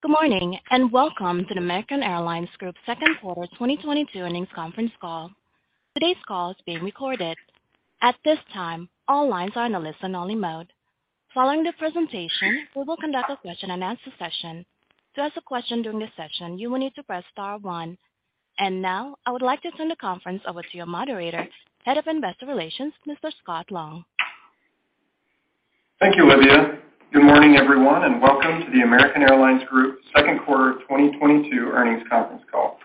Good morning, and welcome to the American Airlines Group second quarter 2022 earnings conference call. Today's call is being recorded. At this time, all lines are in a listen-only mode. Following the presentation, we will conduct a question-and-answer session. To ask a question during this session, you will need to press star one. Now, I would like to turn the conference over to your moderator, Head of Investor Relations, Mr. Scott Long. Thank you, Olivia. Good morning, everyone, and welcome to the American Airlines Group second quarter 2022 earnings conference call.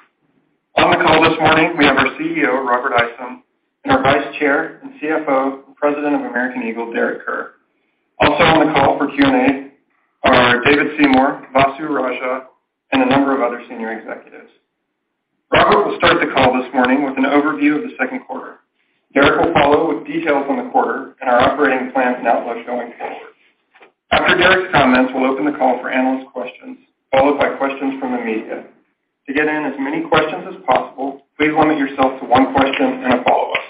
On the call this morning, we have our CEO, Robert Isom, and our Vice Chair and CFO, President of American Eagle, Derek Kerr. Also on the call for Q&A are David Seymour, Vasu Raja, and a number of other senior executives. Robert will start the call this morning with an overview of the second quarter. Derek will follow with details on the quarter and our operating plans and outlook going forward. After Derek's comments, we'll open the call for analyst questions, followed by questions from the media. To get in as many questions as possible, please limit yourself to one question and a follow-up.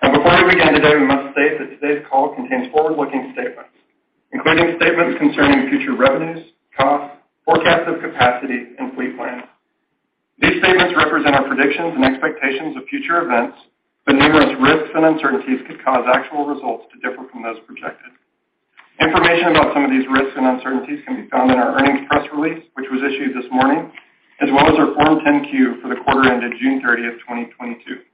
Now, before we begin today, we must state that today's call contains forward-looking statements, including statements concerning future revenues, costs, forecasts of capacity, and fleet plans. These statements represent our predictions and expectations of future events, but numerous risks and uncertainties could cause actual results to differ from those projected. Information about some of these risks and uncertainties can be found in our earnings press release, which was issued this morning, as well as our Form 10-Q for the quarter ended June 30th, 2022.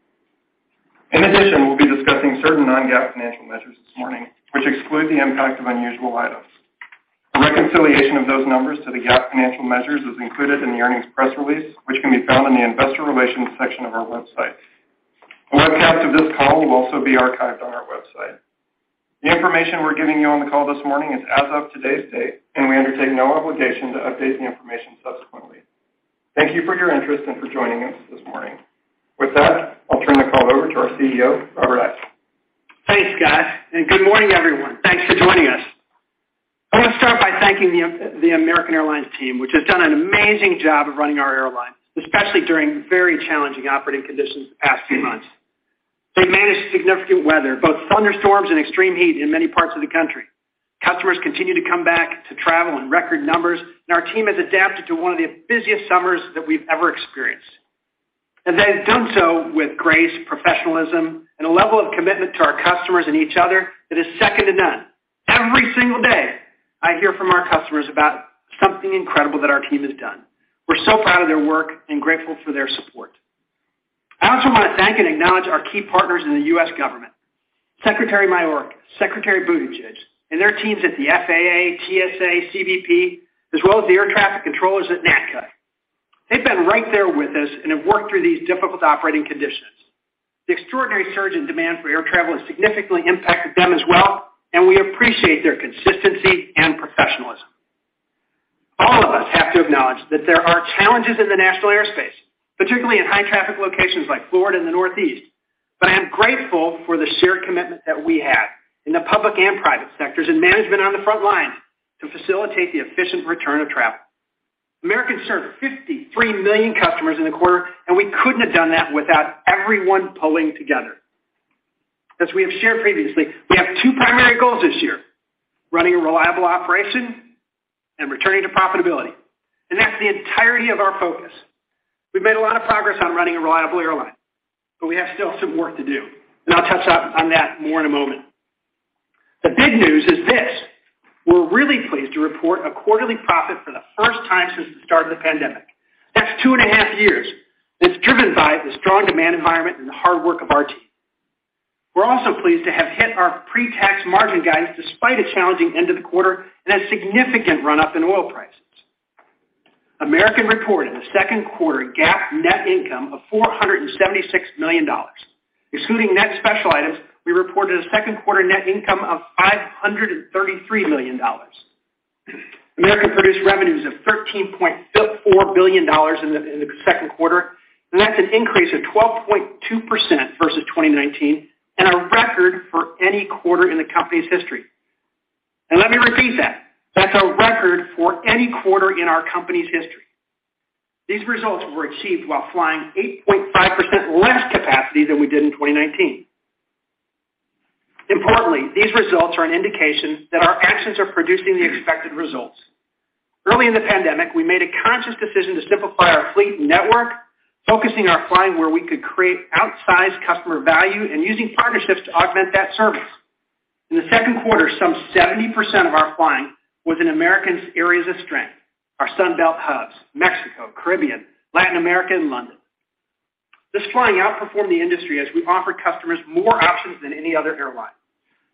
In addition, we'll be discussing certain non-GAAP financial measures this morning, which exclude the impact of unusual items. A reconciliation of those numbers to the GAAP financial measures is included in the earnings press release, which can be found in the investor relations section of our website. A webcast of this call will also be archived on our website. The information we're giving you on the call this morning is as of today's date, and we undertake no obligation to update the information subsequently. Thank you for your interest and for joining us this morning. With that, I'll turn the call over to our CEO, Robert Isom. Thanks, Scott, and good morning, everyone. Thanks for joining us. I want to start by thanking the American Airlines team, which has done an amazing job of running our airline, especially during very challenging operating conditions the past few months. They managed significant weather, both thunderstorms and extreme heat in many parts of the country. Customers continue to come back to travel in record numbers, and our team has adapted to one of the busiest summers that we've ever experienced. They've done so with grace, professionalism, and a level of commitment to our customers and each other that is second to none. Every single day, I hear from our customers about something incredible that our team has done. We're so proud of their work and grateful for their support. I also want to thank and acknowledge our key partners in the U.S. government, Secretary Mayorkas, Secretary Buttigieg, and their teams at the FAA, TSA, CBP, as well as the air traffic controllers at NATCA. They've been right there with us and have worked through these difficult operating conditions. The extraordinary surge in demand for air travel has significantly impacted them as well, and we appreciate their consistency and professionalism. All of us have to acknowledge that there are challenges in the national airspace, particularly in high-traffic locations like Florida and the Northeast. I am grateful for the shared commitment that we have in the public and private sectors and management on the front line to facilitate the efficient return of travel. American served 53 million customers in the quarter, and we couldn't have done that without everyone pulling together. As we have shared previously, we have two primary goals this year, running a reliable operation and returning to profitability, and that's the entirety of our focus. We've made a lot of progress on running a reliable airline, but we have still some work to do, and I'll touch on that more in a moment. The big news is this. We're really pleased to report a quarterly profit for the first time since the start of the pandemic. That's 2.5 Years. It's driven by the strong demand environment and the hard work of our team. We're also pleased to have hit our pre-tax margin guidance despite a challenging end of the quarter and a significant run-up in oil prices. American reported a second quarter GAAP net income of $476 million. Excluding net special items, we reported a second quarter net income of $533 million. American produced revenues of $13.4 billion in the second quarter, and that's an increase of 12.2% versus 2019 and a record for any quarter in the company's history. Let me repeat that. That's a record for any quarter in our company's history. These results were achieved while flying 8.5% less capacity than we did in 2019. Importantly, these results are an indication that our actions are producing the expected results. Early in the pandemic, we made a conscious decision to simplify our fleet and network, focusing our flying where we could create outsized customer value and using partnerships to augment that service. In the second quarter, some 70% of our flying was in American's areas of strength, our Sun Belt hubs, Mexico, Caribbean, Latin America, and London. This flying outperformed the industry as we offered customers more options than any other airline.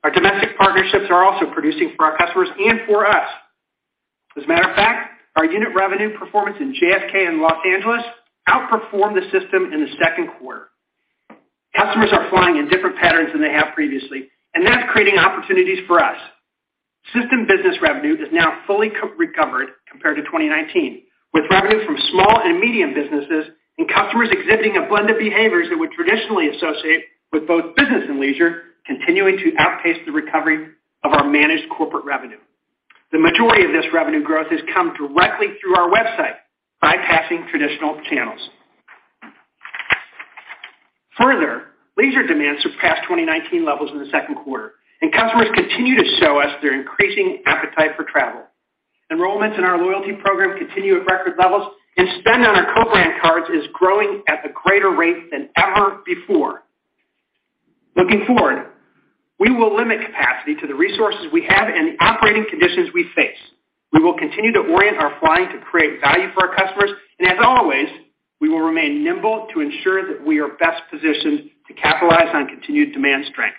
Our domestic partnerships are also producing for our customers and for us. As a matter of fact, our unit revenue performance in JFK and Los Angeles outperformed the system in the second quarter. Customers are flying in different patterns than they have previously, and that's creating opportunities for us. System business revenue is now fully recovered compared to 2019, with revenue from small and medium businesses and customers exhibiting a blend of behaviors that we traditionally associate with both business and leisure continuing to outpace the recovery of our managed corporate revenue. The majority of this revenue growth has come directly through our website, bypassing traditional channels. Further, leisure demand surpassed 2019 levels in the second quarter, and customers continue to show us their increasing appetite for travel. Enrollments in our loyalty program continue at record levels, and spend on our co-brand cards is growing at a greater rate than ever before. Looking forward, we will limit capacity to the resources we have and the operating conditions we face. We will continue to orient our flying to create value for our customers, and as always, we will remain nimble to ensure that we are best positioned to capitalize on continued demand strength.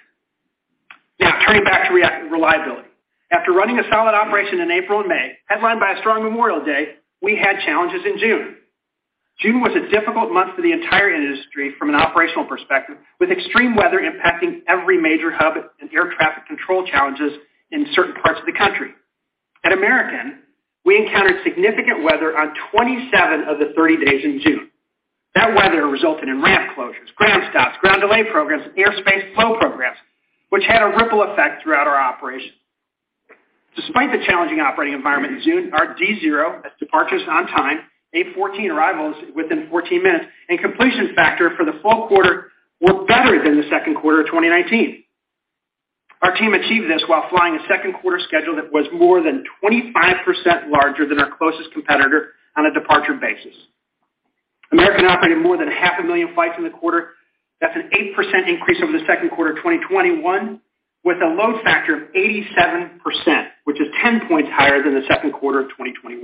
Now turning back to reliability. After running a solid operation in April and May, headlined by a strong Memorial Day, we had challenges in June. June was a difficult month for the entire industry from an operational perspective, with extreme weather impacting every major hub and air traffic control challenges in certain parts of the country. At American, we encountered significant weather on 27 of the 30 days in June. That weather resulted in ramp closures, ground stops, ground delay programs, airspace flow programs, which had a ripple effect throughout our operation. Despite the challenging operating environment in June, our D0, that's departures on time, A14 arrivals within 14 minutes, and completion factor for the full quarter were better than the second quarter of 2019. Our team achieved this while flying a second quarter schedule that was more than 25% larger than our closest competitor on a departure basis. American operated more than 500,000 flights in the quarter. That's an 8% increase over the second quarter of 2021 with a load factor of 87%, which is 10 points higher than the second quarter of 2021.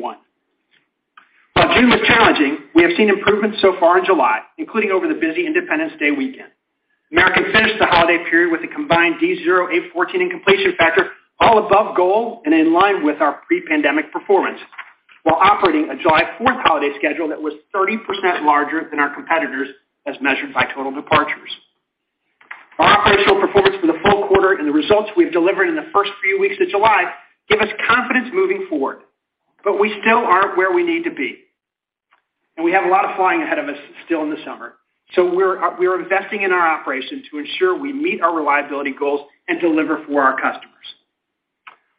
While June was challenging, we have seen improvements so far in July, including over the busy Independence Day weekend. American finished the holiday period with a combined D0, A14, and completion factor all above goal and in line with our pre-pandemic performance while operating a July 4th holiday schedule that was 30% larger than our competitors as measured by total departures. Our operational performance for the full quarter and the results we've delivered in the first few weeks of July give us confidence moving forward, but we still aren't where we need to be. We have a lot of flying ahead of us still in the summer. We're investing in our operation to ensure we meet our reliability goals and deliver for our customers.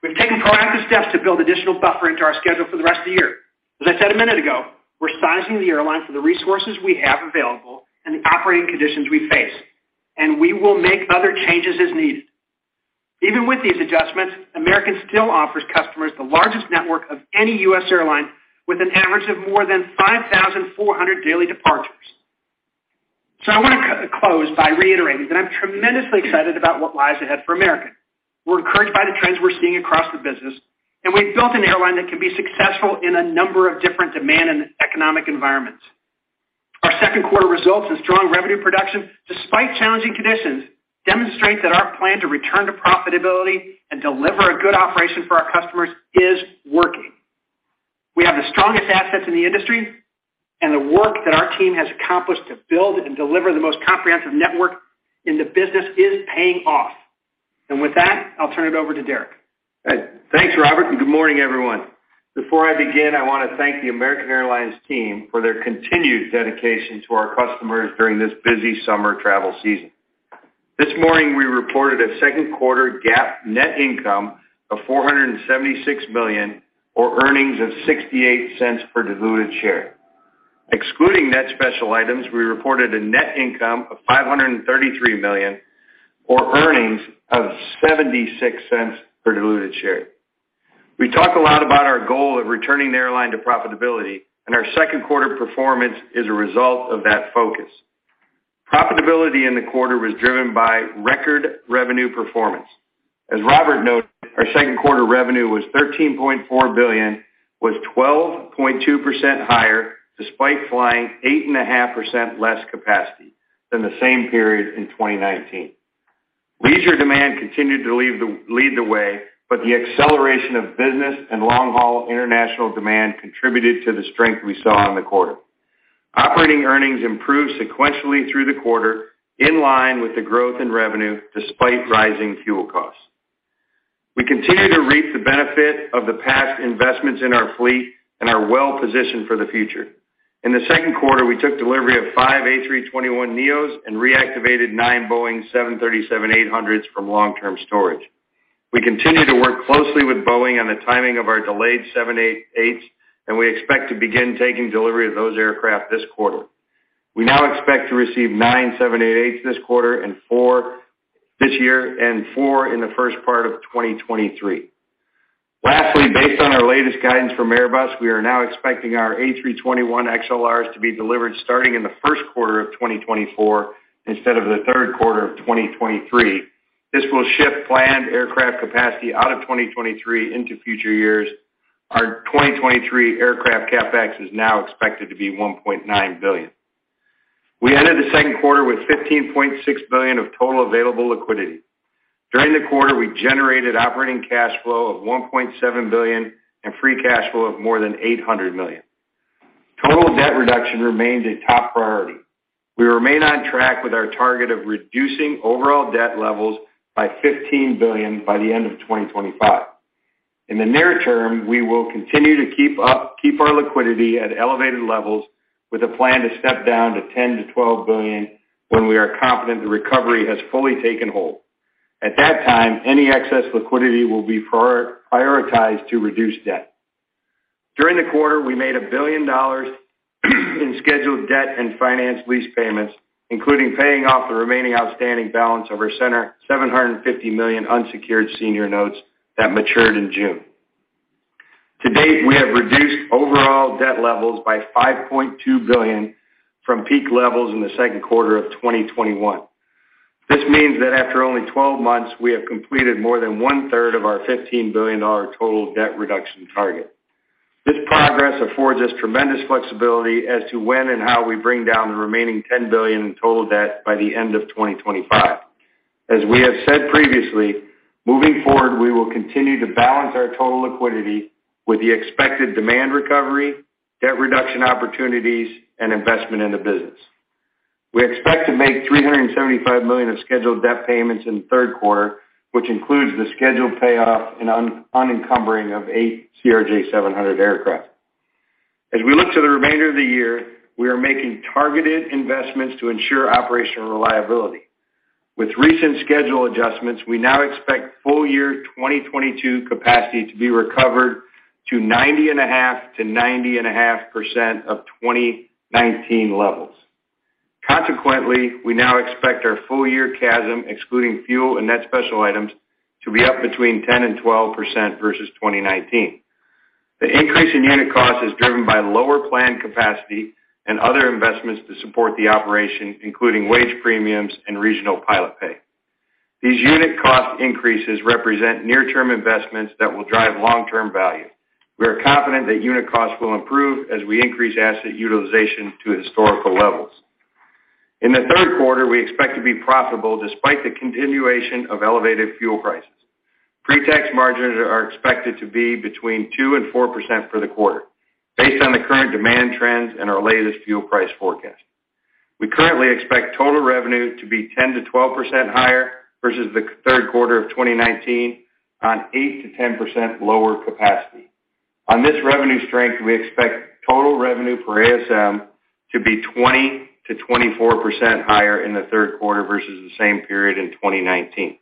We've taken proactive steps to build additional buffering to our schedule for the rest of the year. As I said a minute ago, we're sizing the airline for the resources we have available and the operating conditions we face, and we will make other changes as needed. Even with these adjustments, American still offers customers the largest network of any U.S. airline with an average of more than 5,400 daily departures. I want to close by reiterating that I'm tremendously excited about what lies ahead for American. We're encouraged by the trends we're seeing across the business, and we've built an airline that can be successful in a number of different demand and economic environments. Our second quarter results and strong revenue production, despite challenging conditions, demonstrate that our plan to return to profitability and deliver a good operation for our customers is working. We have the strongest assets in the industry and the work that our team has accomplished to build and deliver the most comprehensive network in the business is paying off. With that, I'll turn it over to Derek. Thanks, Robert, and good morning, everyone. Before I begin, I want to thank the American Airlines team for their continued dedication to our customers during this busy summer travel season. This morning, we reported a second quarter GAAP net income of $476 million or earnings of $0.68 per diluted share. Excluding net special items, we reported a net income of $533 million or earnings of $0.76 per diluted share. We talk a lot about our goal of returning the airline to profitability, and our second quarter performance is a result of that focus. Profitability in the quarter was driven by record revenue performance. As Robert noted, our second quarter revenue was $13.4 billion, was 12.2% higher despite flying 8.5% less capacity than the same period in 2019. Leisure demand continued to lead the way, but the acceleration of business and long-haul international demand contributed to the strength we saw in the quarter. Operating earnings improved sequentially through the quarter, in line with the growth in revenue despite rising fuel costs. We continue to reap the benefit of the past investments in our fleet and are well-positioned for the future. In the second quarter, we took delivery of five A321neos and reactivated nine Boeing 737-800s from long-term storage. We continue to work closely with Boeing on the timing of our delayed 788s, and we expect to begin taking delivery of those aircraft this quarter. We now expect to receive nine 788 this quarter and four this year and four in the first part of 2023. Lastly, based on our latest guidance from Airbus, we are now expecting our A321XLRs to be delivered starting in the first quarter of 2024 instead of the third quarter of 2023. This will shift planned aircraft capacity out of 2023 into future years. Our 2023 aircraft CapEx is now expected to be $1.9 billion. We ended the second quarter with $15.6 billion of total available liquidity. During the quarter, we generated operating cash flow of $1.7 billion and free cash flow of more than $800 million. Total debt reduction remains a top priority. We remain on track with our target of reducing overall debt levels by $15 billion by the end of 2025. In the near term, we will continue to keep our liquidity at elevated levels with a plan to step down to $10 billion-$12 billion when we are confident the recovery has fully taken hold. At that time, any excess liquidity will be prioritized to reduce debt. During the quarter, we made $1 billion in scheduled debt and finance lease payments, including paying off the remaining outstanding balance of our $750 million unsecured senior notes that matured in June. To date, we have reduced overall debt levels by $5.2 billion from peak levels in the second quarter of 2021. This means that after only 12 months, we have completed more than one-third of our $15 billion total debt reduction target. This progress affords us tremendous flexibility as to when and how we bring down the remaining $10 billion in total debt by the end of 2025. As we have said previously, moving forward, we will continue to balance our total liquidity with the expected demand recovery, debt reduction opportunities, and investment in the business. We expect to make $375 million of scheduled debt payments in the third quarter, which includes the scheduled payoff and unencumbering eight CRJ700 aircraft. As we look to the remainder of the year, we are making targeted investments to ensure operational reliability. With recent schedule adjustments, we now expect full year 2022 capacity to be recovered to 90.5%-90.5% of 2019 levels. Consequently, we now expect our full year CASM, excluding fuel and net special items, to be up between 10% and 12% versus 2019. The increase in unit cost is driven by lower planned capacity and other investments to support the operation, including wage premiums and regional pilot pay. These unit cost increases represent near-term investments that will drive long-term value. We are confident that unit costs will improve as we increase asset utilization to historical levels. In the third quarter, we expect to be profitable despite the continuation of elevated fuel prices. Pre-tax margins are expected to be between 2% and 4% for the quarter based on the current demand trends and our latest fuel price forecast. We currently expect total revenue to be 10%-12% higher versus the third quarter of 2019 on 8%-10% lower capacity. On this revenue strength, we expect total revenue per ASM to be 20%-24% higher in the third quarter versus the same period in 2019.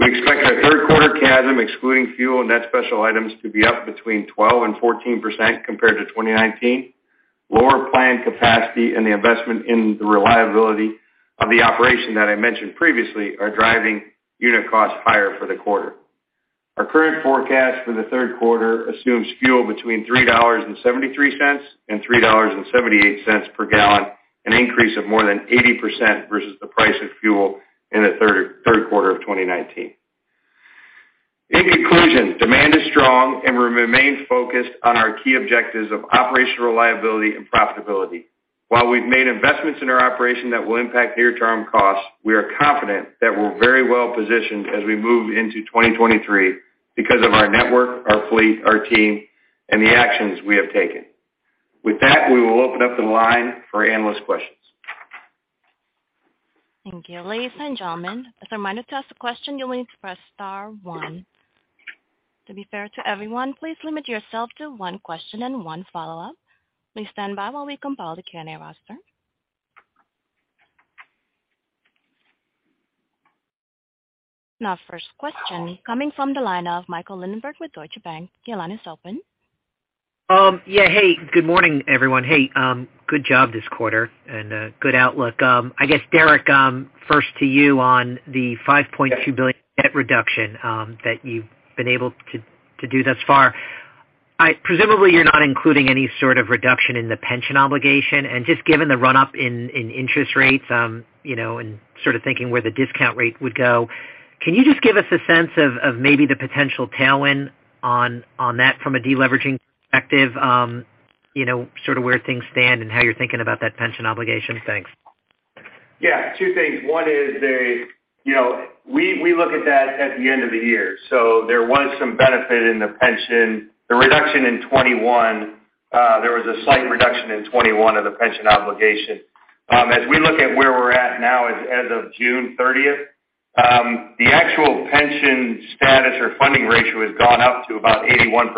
We expect our third quarter CASM, excluding fuel and net special items, to be up between 12% and 14% compared to 2019. Lower plane capacity and the investment in the reliability of the operation that I mentioned previously are driving unit costs higher for the quarter. Our current forecast for the third quarter assumes fuel between $3.73 and $3.78 per gallon, an increase of more than 80% versus the price of fuel in the third quarter of 2019. In conclusion, demand is strong, and we remain focused on our key objectives of operational reliability and profitability. While we've made investments in our operation that will impact near-term costs, we are confident that we're very well positioned as we move into 2023 because of our network, our fleet, our team, and the actions we have taken. With that, we will open up the line for analyst questions. Thank you. Ladies and gentlemen, as a reminder, to ask a question, you'll need to press star one. To be fair to everyone, please limit yourself to one question and one follow-up. Please stand by while we compile the Q&A roster. Our first question coming from the line of Michael Linenberg with Deutsche Bank. Your line is open. Yeah, hey, good morning, everyone. Hey, good job this quarter and good outlook. I guess, Derek, first to you on the $5.2 billion debt reduction that you've been able to do thus far. Presumably, you're not including any sort of reduction in the pension obligation, and just given the run-up in interest rates, you know, and sort of thinking where the discount rate would go, can you just give us a sense of maybe the potential tailwind on that from a deleveraging perspective, you know, sort of where things stand and how you're thinking about that pension obligation? Thanks. Yeah, two things. One is the, you know, we look at that at the end of the year. There was some benefit in the pension. The reduction in 2021, there was a slight reduction in 2021 of the pension obligation. As we look at where we're at now as of June 30th, the actual pension status or funding ratio has gone up to about 81%.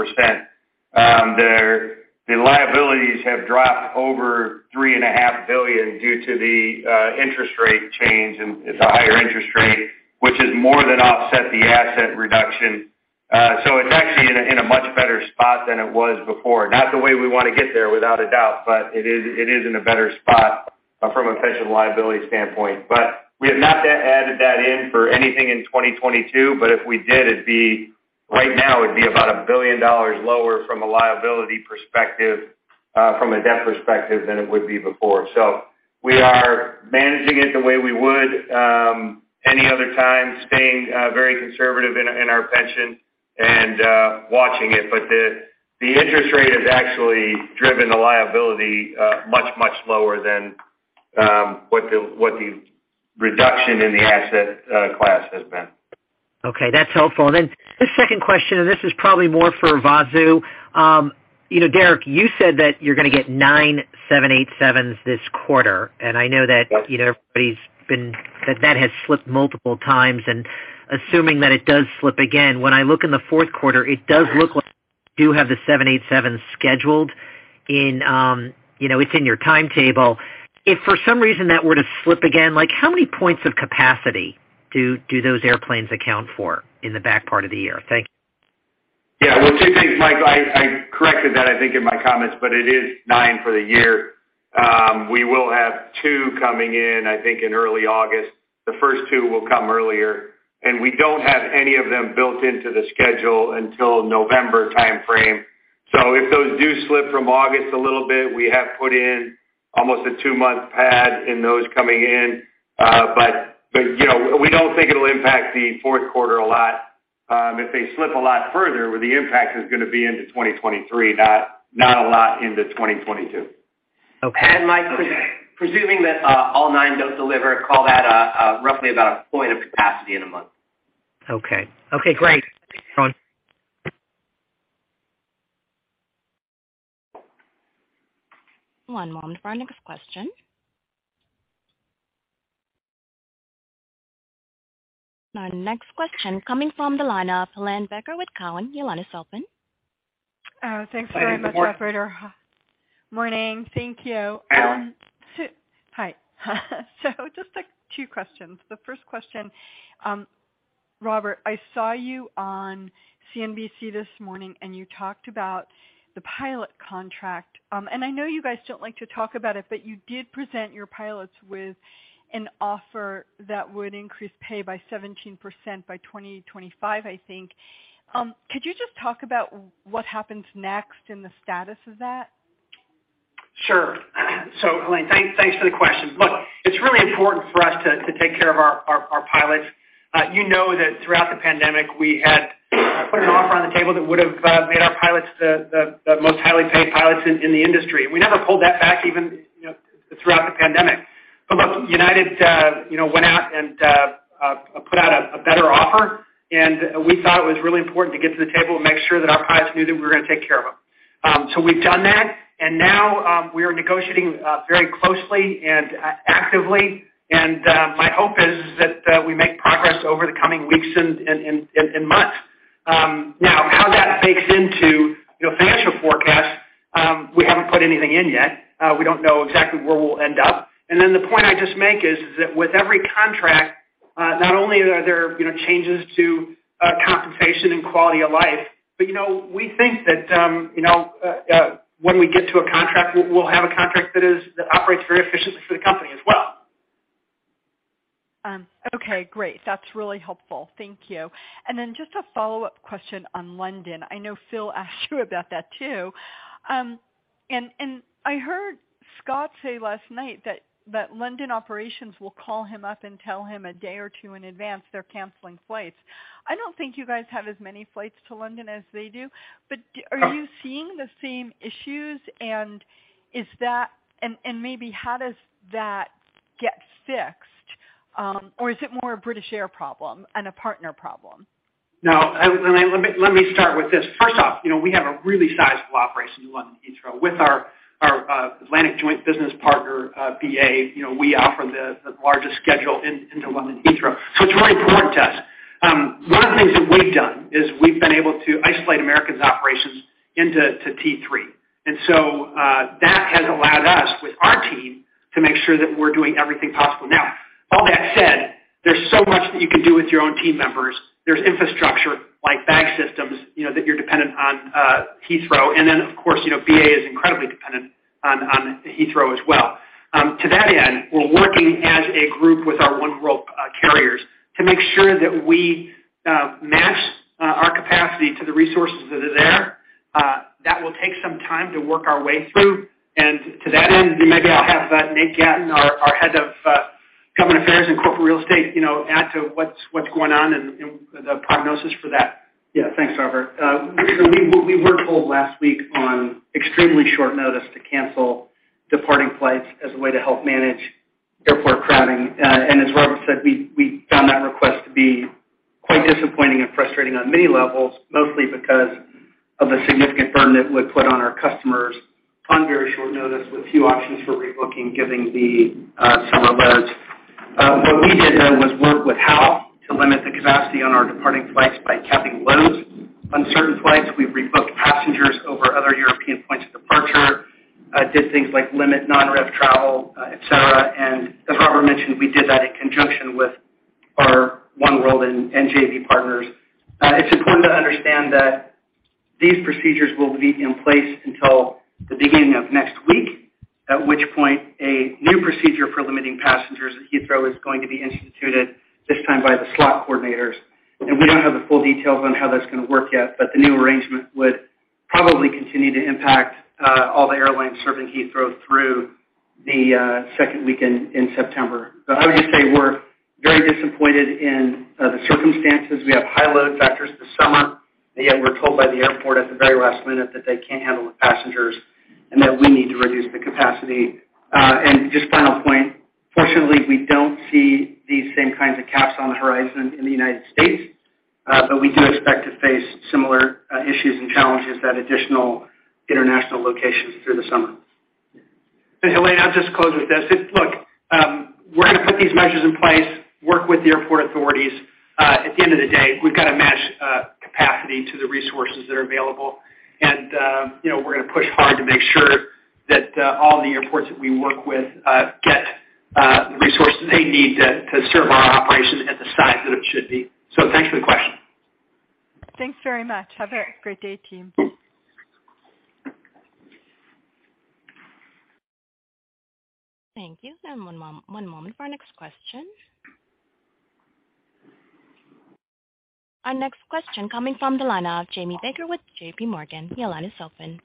The liabilities have dropped over $3.5 billion due to the interest rate change, and it's a higher interest rate, which has more than offset the asset reduction. It's actually in a much better spot than it was before. Not the way we wanna get there, without a doubt, but it is in a better spot from a pension liability standpoint. We have not added that in for anything in 2022, but if we did, it'd be right now about $1 billion lower from a liability perspective, from a debt perspective, than it would be before. We are managing it the way we would any other time, staying very conservative in our pension and watching it. The interest rate has actually driven the liability much lower than what the reduction in the asset class has been. Okay, that's helpful. The second question, and this is probably more for Vasu. You know, Derek, you said that you're gonna get nine 787s this quarter, and I know that, you know, everybody's been that that has slipped multiple times. Assuming that it does slip again, when I look in the fourth quarter, it does look like you do have the 787 scheduled in, you know, it's in your timetable. If for some reason that were to slip again, like how many points of capacity do those airplanes account for in the back part of the year? Thank you. Yeah. Well, two things, Mike. I corrected that, I think, in my comments, but it is nine for the year. We will have two coming in, I think, in early August. The first two will come earlier, and we don't have any of them built into the schedule until November timeframe. If those do slip from August a little bit, we have put in almost a two-month pad in those coming in. But, you know, we don't think it'll impact the fourth quarter a lot. If they slip a lot further, the impact is gonna be into 2023, not a lot into 2022. Okay. Mike, presuming that all nine don't deliver, call that roughly about a point of capacity in a month. Okay. Okay, great. Thanks. One moment for our next question. Our next question coming from the line of Helane Becker with Cowen. Your line is open. Thanks very much, operator. Morning. Thank you. Hi. Just, like two questions. The first question, Robert, I saw you on CNBC this morning, and you talked about the pilot contract. I know you guys don't like to talk about it, but you did present your pilots with an offer that would increase pay by 17% by 2025, I think. Could you just talk about what happens next and the status of that? Sure. Helane, thanks for the question. Look, it's really important for us to take care of our pilots. You know that throughout the pandemic, we had put an offer on the table that would have made our pilots the most highly paid pilots in the industry. We never pulled that back even, you know, throughout the pandemic. Look, United, you know, went out and put out a better offer, and we thought it was really important to get to the table and make sure that our pilots knew that we were gonna take care of them. We've done that, and now we are negotiating very closely and actively, and my hope is that we make progress over the coming weeks and months. Now how that bakes into, you know, financial forecast, we haven't put anything in yet. We don't know exactly where we'll end up. The point I just make is that with every contract, not only are there, you know, changes to compensation and quality of life, but, you know, we think that, you know, when we get to a contract, we'll have a contract that operates very efficiently for the company as well. Okay, great. That's really helpful. Thank you. Just a follow-up question on London. I know Phil asked you about that too. I heard Scott say last night that London operations will call him up and tell him a day or two in advance they're canceling flights. I don't think you guys have as many flights to London as they do, but are you seeing the same issues, and maybe how does that get fixed? Is it more a British Air problem and a partner problem? No. Let me start with this. First off, you know, we have a really sizable operation in London Heathrow with our Atlantic joint business partner, BA. You know, we offer the largest schedule into London Heathrow, so it's very important to us. One of the things that we've done is we've been able to isolate American's operations into T3. That has allowed us, with our team, to make sure that we're doing everything possible. Now, all that said, there's so much that you can do with your own team members. There's infrastructure like bag systems, you know, that you're dependent on, Heathrow. Then, of course, you know, BA is incredibly dependent on Heathrow as well. To that end, we're working as a group with our oneworld carriers to make sure that we match our capacity to the resources that are there. That will take some time to work our way through. To that end, maybe I'll have Nate Gatten, our Head of Government Affairs and Corporate Real Estate, you know, add to what's going on and the prognosis for that. Yeah. Thanks, Robert. We were told last week on extremely short notice to cancel departing flights as a way to help manage airport crowding. As Robert said, we found that request to be quite disappointing and frustrating on many levels, mostly because of the significant burden that would put on our customers on very short notice with few options for rebooking given the summer loads. What we did, though, was work with HAL to limit the capacity on our departing flights by capping loads on certain flights. We rebooked passengers over other European points of departure, did things like limit non-rev travel, etc. As Robert mentioned, we did that in conjunction with our oneworld and JV partners. It's important to understand that these procedures will be in place until the beginning of next week, at which point a new procedure for limiting passengers at Heathrow is going to be instituted, this time by the slot coordinators. We don't have the full details on how that's gonna work yet, but the new arrangement would probably continue to impact all the airlines serving Heathrow through the second week in September. I would just say we're very disappointed in the circumstances. We have high load factors this summer, and yet we're told by the airport at the very last minute that they can't handle the passengers and that we need to reduce the capacity. Just final point. Fortunately, we don't see these same kinds of caps on the horizon in the United States, but we do expect to face similar issues and challenges at additional international locations through the summer. Helane, I'll just close with this. Put these measures in place, work with the airport authorities. At the end of the day, we've got to match capacity to the resources that are available. You know, we're gonna push hard to make sure that all the airports that we work with get the resources they need to serve our operation at the size that it should be. Thanks for the question. Thanks very much. Have a great day, team. Thank you. One moment for our next question. Our next question coming from the line of Jamie Baker with JPMorgan. Your line is open.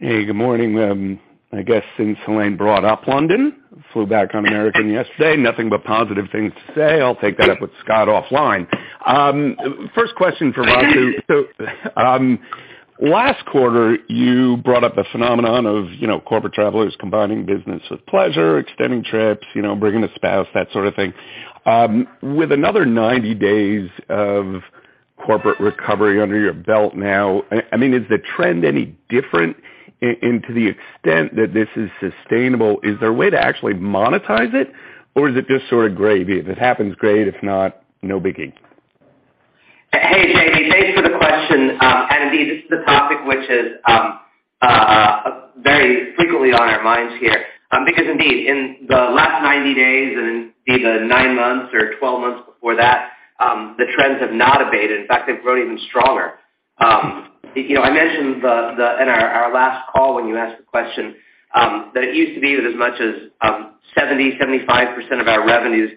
Hey, good morning. I guess since Helane brought up London, flew back on American yesterday, nothing but positive things to say. I'll take that up with Scott offline. First question for Vasu. Last quarter, you brought up the phenomenon of, you know, corporate travelers combining business with pleasure, extending trips, you know, bringing a spouse, that sort of thing. With another 90 days of corporate recovery under your belt now, I mean, is the trend any different? And to the extent that this is sustainable, is there a way to actually monetize it, or is it just sort of gravy? If it happens, great. If not, no biggie. Hey, Jamie. Thanks for the question. Indeed, this is a topic which is very frequently on our minds here, because indeed, in the last 90 days and indeed the nine months or 12 months before that, the trends have not abated. In fact, they've grown even stronger. I mentioned in our last call when you asked the question, that it used to be that as much as 75% of our revenues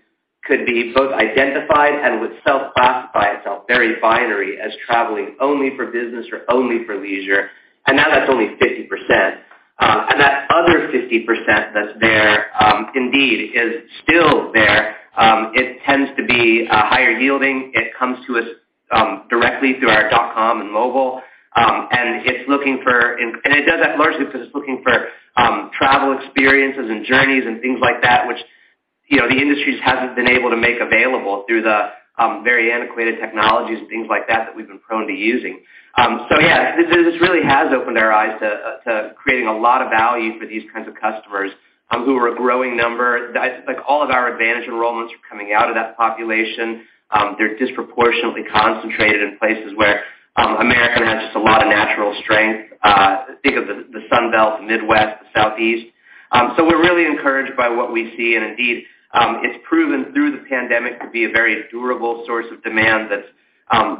could be both identified and would self-classify itself very binary as traveling only for business or only for leisure. Now that's only 50%. That other 50% that's there, indeed is still there. It tends to be higher yielding. It comes to us directly through our dot com and mobile. It does that largely because it's looking for travel experiences and journeys and things like that, which, you know, the industry just hasn't been able to make available through the very antiquated technologies and things like that that we've been prone to using. This really has opened our eyes to creating a lot of value for these kinds of customers who are a growing number. Like, all of our AAdvantage enrollments are coming out of that population. They're disproportionately concentrated in places where American has just a lot of natural strength. Think of the Sun Belt, the Midwest, the Southeast. We're really encouraged by what we see, and indeed, it's proven through the pandemic to be a very durable source of demand that's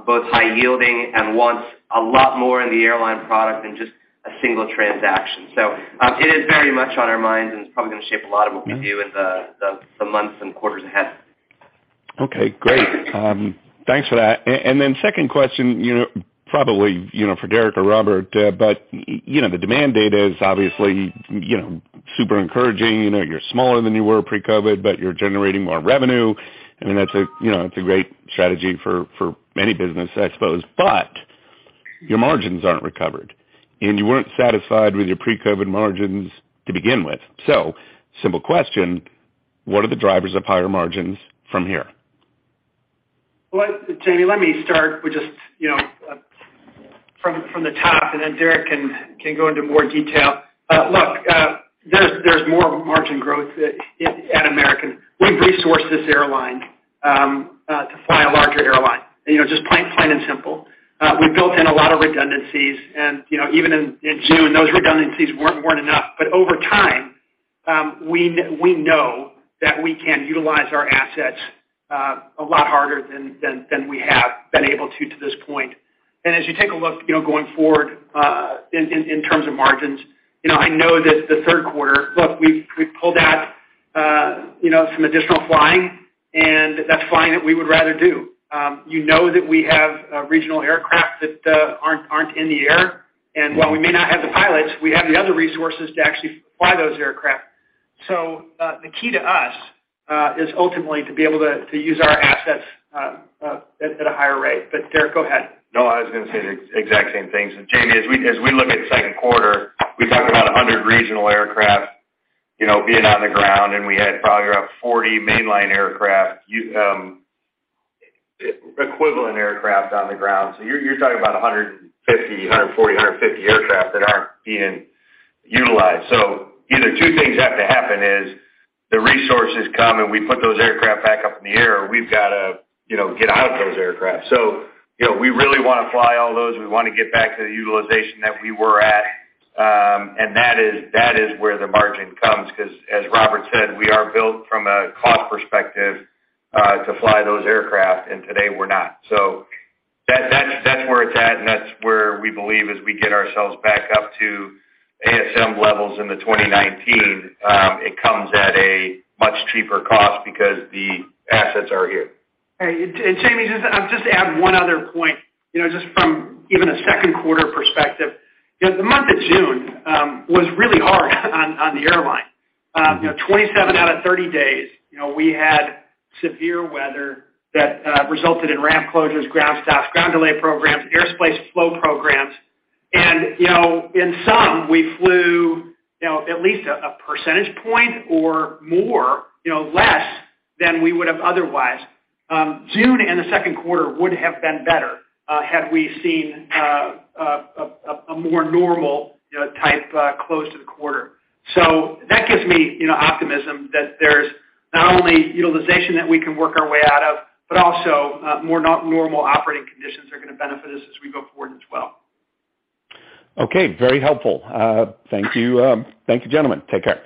both high yielding and wants a lot more in the airline product than just a single transaction. It is very much on our minds, and it's probably gonna shape a lot of what we do in the months and quarters ahead. Okay, great. Thanks for that. Second question, you know, probably, you know, for Derek or Robert. You know, the demand data is obviously, you know, super encouraging. You know, you're smaller than you were pre-COVID, but you're generating more revenue. I mean, that's a, you know, it's a great strategy for any business, I suppose. Your margins aren't recovered, and you weren't satisfied with your pre-COVID margins to begin with. Simple question, what are the drivers of higher margins from here? Well, Jamie, let me start with just, you know, from the top, and then Derek can go into more detail. Look, there's more margin growth at American. We've resourced this airline to fly a larger airline. You know, just plain and simple. We built in a lot of redundancies and, you know, even in June, those redundancies weren't enough. Over time, we know that we can utilize our assets a lot harder than we have been able to this point. As you take a look, you know, going forward, in terms of margins, you know, I know that the third quarter. Look, we've pulled out, you know, some additional flying, and that's flying that we would rather do. You know that we have regional aircraft that aren't in the air. While we may not have the pilots, we have the other resources to actually fly those aircraft. The key to us is ultimately to be able to use our assets at a higher rate. Derek, go ahead. No, I was gonna say the exact same thing. Jamie, as we look at second quarter, we talked about 100 regional aircraft, you know, being on the ground, and we had probably around 40 mainline aircraft, equivalent aircraft on the ground. You're talking about 140-150 aircraft that aren't being utilized. Either two things have to happen is the resources come, and we put those aircraft back up in the air, or we've got to, you know, get out of those aircraft. You know, we really wanna fly all those. We wanna get back to the utilization that we were at. That is where the margin comes, 'cause as Robert said, we are built from a cost perspective to fly those aircraft, and today we're not. That's where it's at, and that's where we believe as we get ourselves back up to ASM levels in 2019, it comes at a much cheaper cost because the assets are here. Hey, Jamie, just to add one other point. You know, just from even a second quarter perspective, you know, the month of June was really hard on the airline. You know, 27 out of 30 days, you know, we had severe weather that resulted in ramp closures, ground stops, ground delay programs, airspace flow programs. You know, in some we flew, you know, at least a percentage point or more, you know, less than we would have otherwise. June and the second quarter would have been better had we seen a more normal type close to the quarter. That gives me, you know, optimism that there's not only utilization that we can work our way out of, but also more normal operating conditions are gonna benefit us as we go forward as well. Okay, very helpful. Thank you. Thank you, gentlemen. Take care.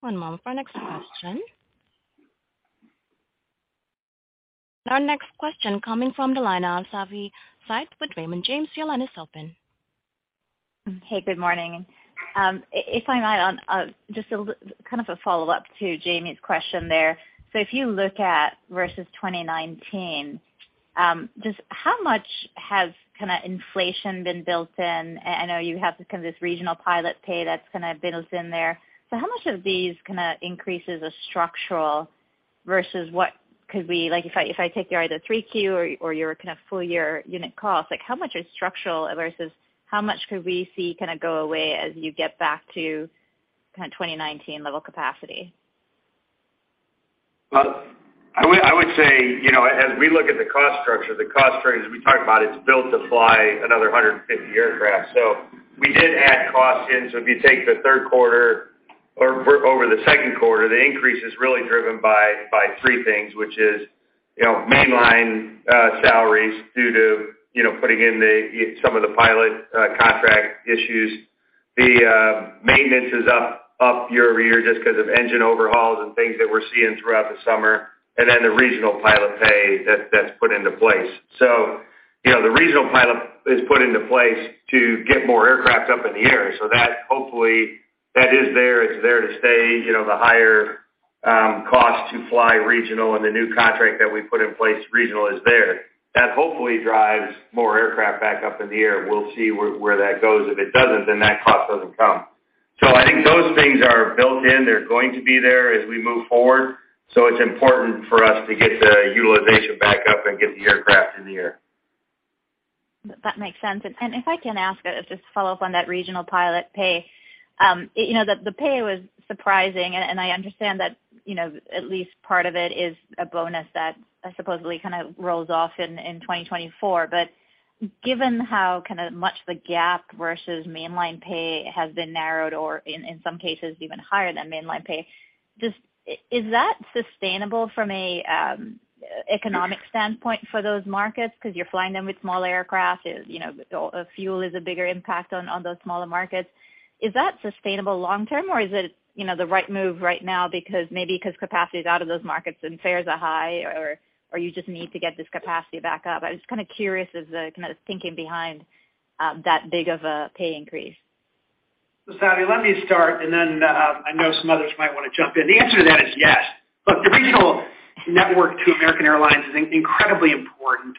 One moment for our next question. Our next question coming from the line of Savi Syth with Raymond James. Your line is open. Hey, good morning. If I might on just kind of a follow-up to Jamie's question there. If you look at versus 2019, just how much has kinda inflation been built in? I know you have kind of this regional pilot pay that's kinda built in there. How much of these kinda increases are structural versus what could we like, if I take your either 3Q or your kind of full-year unit cost, like how much is structural versus how much could we see kinda go away as you get back to kind of 2019 level capacity? I would say, you know, as we look at the cost structure, as we talked about, it's built to fly another 150 aircraft. We did add cost in. If you take the third quarter or over the second quarter, the increase is really driven by three things, which is, you know, mainline salaries due to, you know, putting in some of the pilot contract issues. Maintenance is up year over year just 'cause of engine overhauls and things that we're seeing throughout the summer. Then the regional pilot pay that's put into place. You know, the regional pilot is put into place to get more aircraft up in the air. That, hopefully, is there. It's there to stay. You know, the higher cost to fly regional and the new contract that we put in place regional is there. That hopefully drives more aircraft back up in the air. We'll see where that goes. If it doesn't, then that cost doesn't come. I think those things are built in. They're going to be there as we move forward. It's important for us to get the utilization back up and get the aircraft in the air. That makes sense. If I can ask, just to follow up on that regional pilot pay. You know, the pay was surprising, and I understand that, you know, at least part of it is a bonus that supposedly kind of rolls off in 2024. Given how kind of much the gap versus mainline pay has been narrowed or in some cases even higher than mainline pay, is that sustainable from an economic standpoint for those markets because you're flying them with small aircraft, you know, fuel is a bigger impact on those smaller markets. Is that sustainable long term, or is it, you know, the right move right now because maybe 'cause capacity is out of those markets and fares are high or you just need to get this capacity back up? I was just kinda curious about the kind of thinking behind that big of a pay increase. Savi, let me start, and then, I know some others might wanna jump in. The answer to that is yes. Look, the regional network to American Airlines is incredibly important,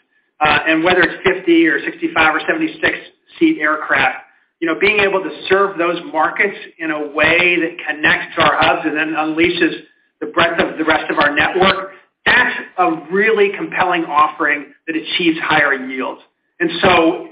whether it's 50 or 65 or 76 seat aircraft, you know, being able to serve those markets in a way that connects our hubs and then unleashes the breadth of the rest of our network, that's a really compelling offering that achieves higher yields.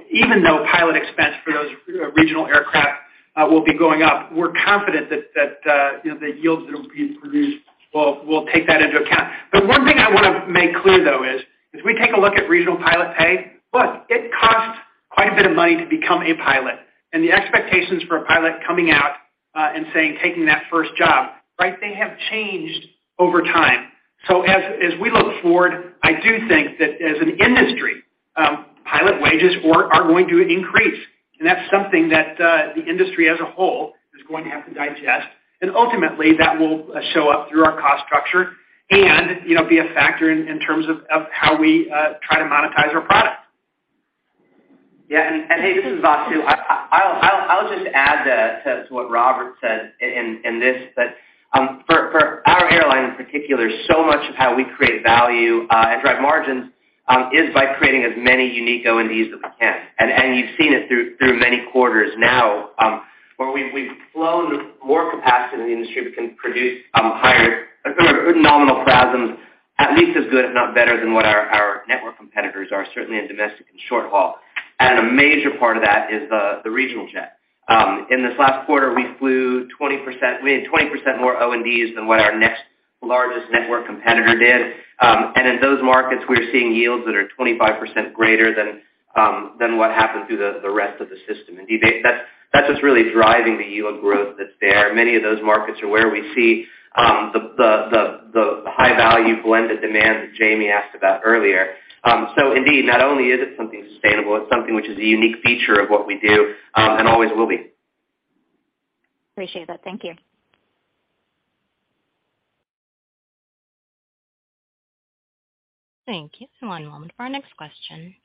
Even though pilot expense for those regional aircraft will be going up, we're confident that, you know, the yields that will be produced will take that into account. The one thing I wanna make clear, though, is if we take a look at regional pilot pay, look, it costs quite a bit of money to become a pilot, and the expectations for a pilot coming out and taking that first job, right, they have changed over time. As we look forward, I do think that as an industry, pilot wages are going to increase. That's something that the industry as a whole is going to have to digest. Ultimately, that will show up through our cost structure and, you know, be a factor in terms of how we try to monetize our product. Yeah. Hey, this is Vasu. I'll just add to what Robert said in this, that for our airline in particular, so much of how we create value and drive margins is by creating as many unique O&Ds as we can. You've seen it through many quarters now, where we've flown more capacity in the industry. We can produce higher, sort of nominal PRASMs, at least as good, if not better, than what our network competitors are, certainly in domestic and short haul. A major part of that is the regional jet. In this last quarter, we flew 20%. We had 20% more O&Ds than what our next largest network competitor did. In those markets, we're seeing yields that are 25% greater than what happened through the rest of the system. Indeed, that's just really driving the yield growth that's there. Many of those markets are where we see the high-value blended demand that Jamie asked about earlier. Indeed, not only is it something sustainable, it's something which is a unique feature of what we do, and always will be. Appreciate that. Thank you. Thank you. One moment for our next question.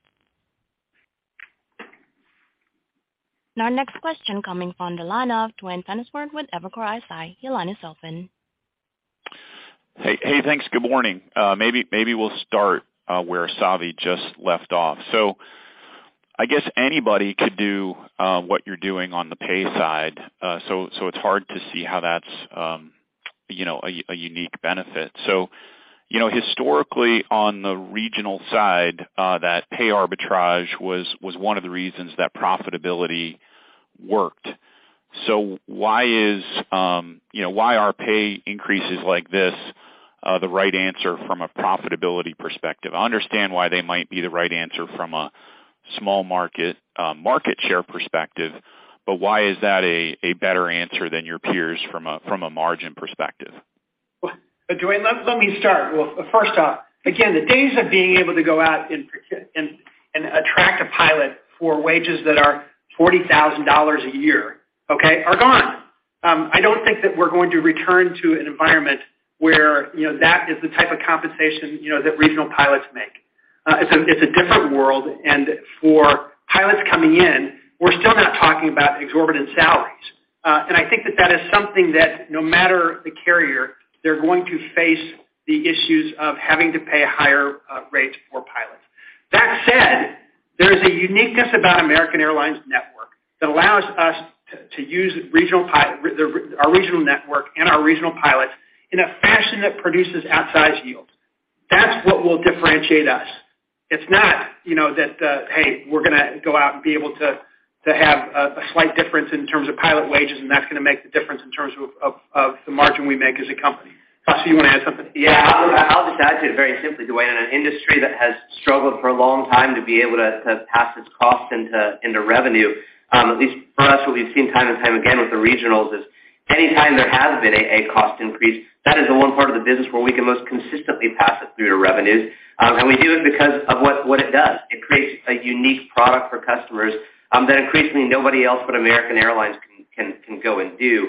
Our next question coming from the line of Duane Pfennigwerth with Evercore ISI. Your line is open. Hey, hey, thanks. Good morning. Maybe we'll start where Savi just left off. I guess anybody could do what you're doing on the pay side. It's hard to see how that's. You know, a unique benefit. You know, historically, on the regional side, that pay arbitrage was one of the reasons that profitability worked. Why are pay increases like this the right answer from a profitability perspective? I understand why they might be the right answer from a small market market share perspective, but why is that a better answer than your peers from a margin perspective? Well, Duane, let me start. Well, first off, again, the days of being able to go out and attract a pilot for wages that are $40,000 a year, okay, are gone. I don't think that we're going to return to an environment where, you know, that is the type of compensation, you know, that regional pilots make. It's a different world. For pilots coming in, we're still not talking about exorbitant salaries. I think that is something that no matter the carrier, they're going to face the issues of having to pay higher rates for pilots. That said, there is a uniqueness about American Airlines network that allows us to use our regional network and our regional pilots in a fashion that produces outsized yields. That's what will differentiate us. It's not, you know, that hey, we're gonna go out and be able to have a slight difference in terms of pilot wages, and that's gonna make the difference in terms of the margin we make as a company. Vasu, you wanna add something? Yeah. I'll just add to it very simply, Duane. In an industry that has struggled for a long time to be able to pass its cost into revenue, at least for us, what we've seen time and time again with the regionals is anytime there has been a cost increase, that is the one part of the business where we can most consistently pass it through to revenues. We do it because of what it does. It creates a unique product for customers that increasingly nobody else but American Airlines can go and do.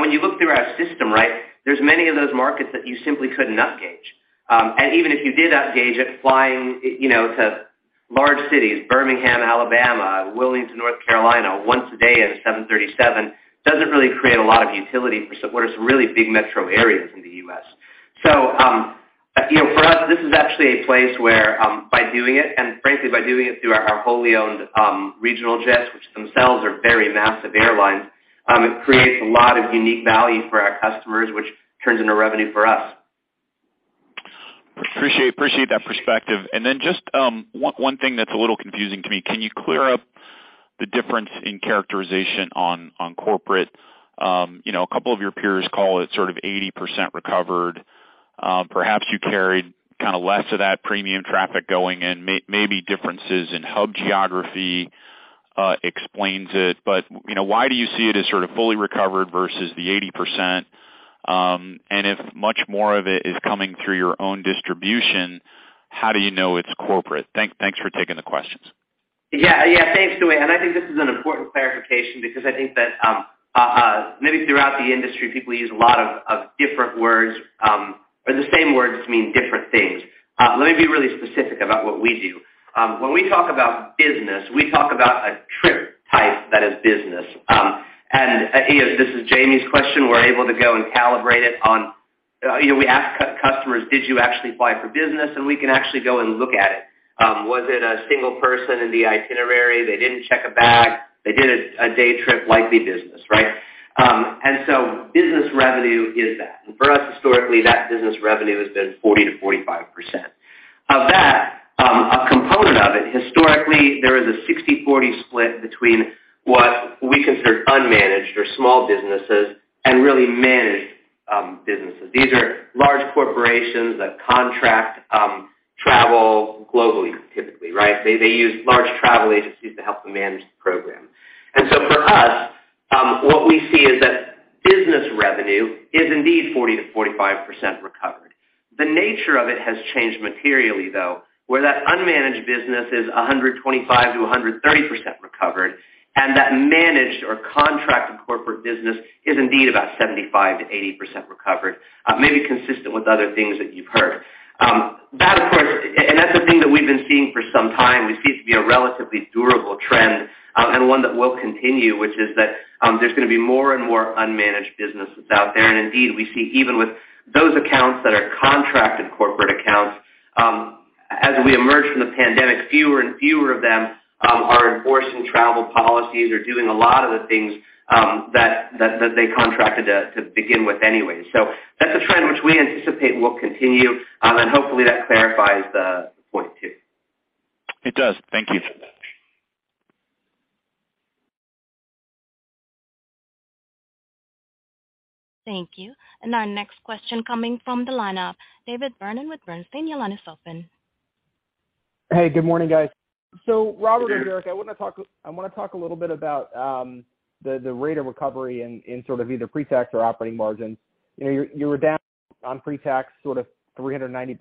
When you look through our system, right, there's many of those markets that you simply couldn't upgauge. Even if you did upgauge it, flying, you know, to large cities, Birmingham, Alabama, Wilmington, North Carolina, once a day at 737, doesn't really create a lot of utility for some, what are some really big metro areas in the U.S. You know, for us, this is actually a place where, by doing it, and frankly, by doing it through our wholly owned regional jets, which themselves are very massive airlines, it creates a lot of unique value for our customers, which turns into revenue for us. Appreciate that perspective. Just one thing that's a little confusing to me. Can you clear up the difference in characterization on corporate? You know, a couple of your peers call it sort of 80% recovered. Perhaps you carried kinda less of that premium traffic going in, maybe differences in hub geography explains it. You know, why do you see it as sort of fully recovered versus the 80%? If much more of it is coming through your own distribution, how do you know it's corporate? Thanks for taking the questions. Yeah. Thanks, Duane. I think this is an important clarification because I think that, maybe throughout the industry, people use a lot of different words, or the same words to mean different things. Let me be really specific about what we do. When we talk about business, we talk about a trip type that is business. As this is Jamie's question, we're able to go and calibrate it on. You know, we ask customers, "Did you actually fly for business?" And we can actually go and look at it. Was it a single person in the itinerary? They didn't check a bag. They did a day trip, likely business, right? Business revenue is that. For us, historically, that business revenue has been 40%-45%. Of that, a component of it, historically, there is a 60/40 split between what we consider unmanaged or small businesses and really managed, businesses. These are large corporations that contract, travel globally, typically, right? They use large travel agencies to help them manage the program. For us, what we see is that business revenue is indeed 40%-45% recovered. The nature of it has changed materially, though, where that unmanaged business is 125-130% recovered, and that managed or contracted corporate business is indeed about 75%-80% recovered, maybe consistent with other things that you've heard. That's a thing that we've been seeing for some time, which seems to be a relatively durable trend, and one that will continue, which is that there's gonna be more and more unmanaged businesses out there. Indeed, we see even with those accounts that are contracted corporate accounts, as we emerge from the pandemic, fewer and fewer of them are enforcing travel policies or doing a lot of the things that they contracted to begin with anyway. That's a trend which we anticipate will continue. Hopefully, that clarifies the point, too. It does. Thank you. Thank you. Our next question coming from the line of David Vernon with Bernstein. Your line is open. Hey, good morning, guys. Robert or Derek, I wanna talk a little bit about the rate of recovery in sort of either pre-tax or operating margins. You're, you were down on pre-tax 390 bps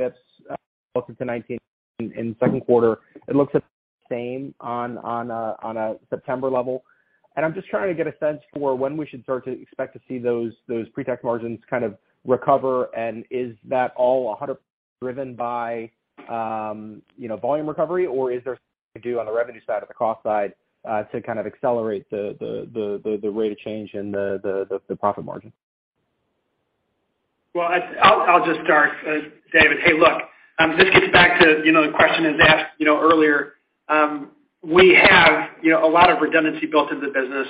relative to 2019 in second quarter. It looks the same on a September level. I'm just trying to get a sense for when we should start to expect to see those pre-tax margins kind of recover. Is that all driven by volume recovery, or is there more to do on the revenue side or the cost side to kind of accelerate the rate of change in the profit margin? Well, I'll just start, David. Hey, look, this gets back to, you know, the question that was asked, you know, earlier. We have, you know, a lot of redundancy built in the business.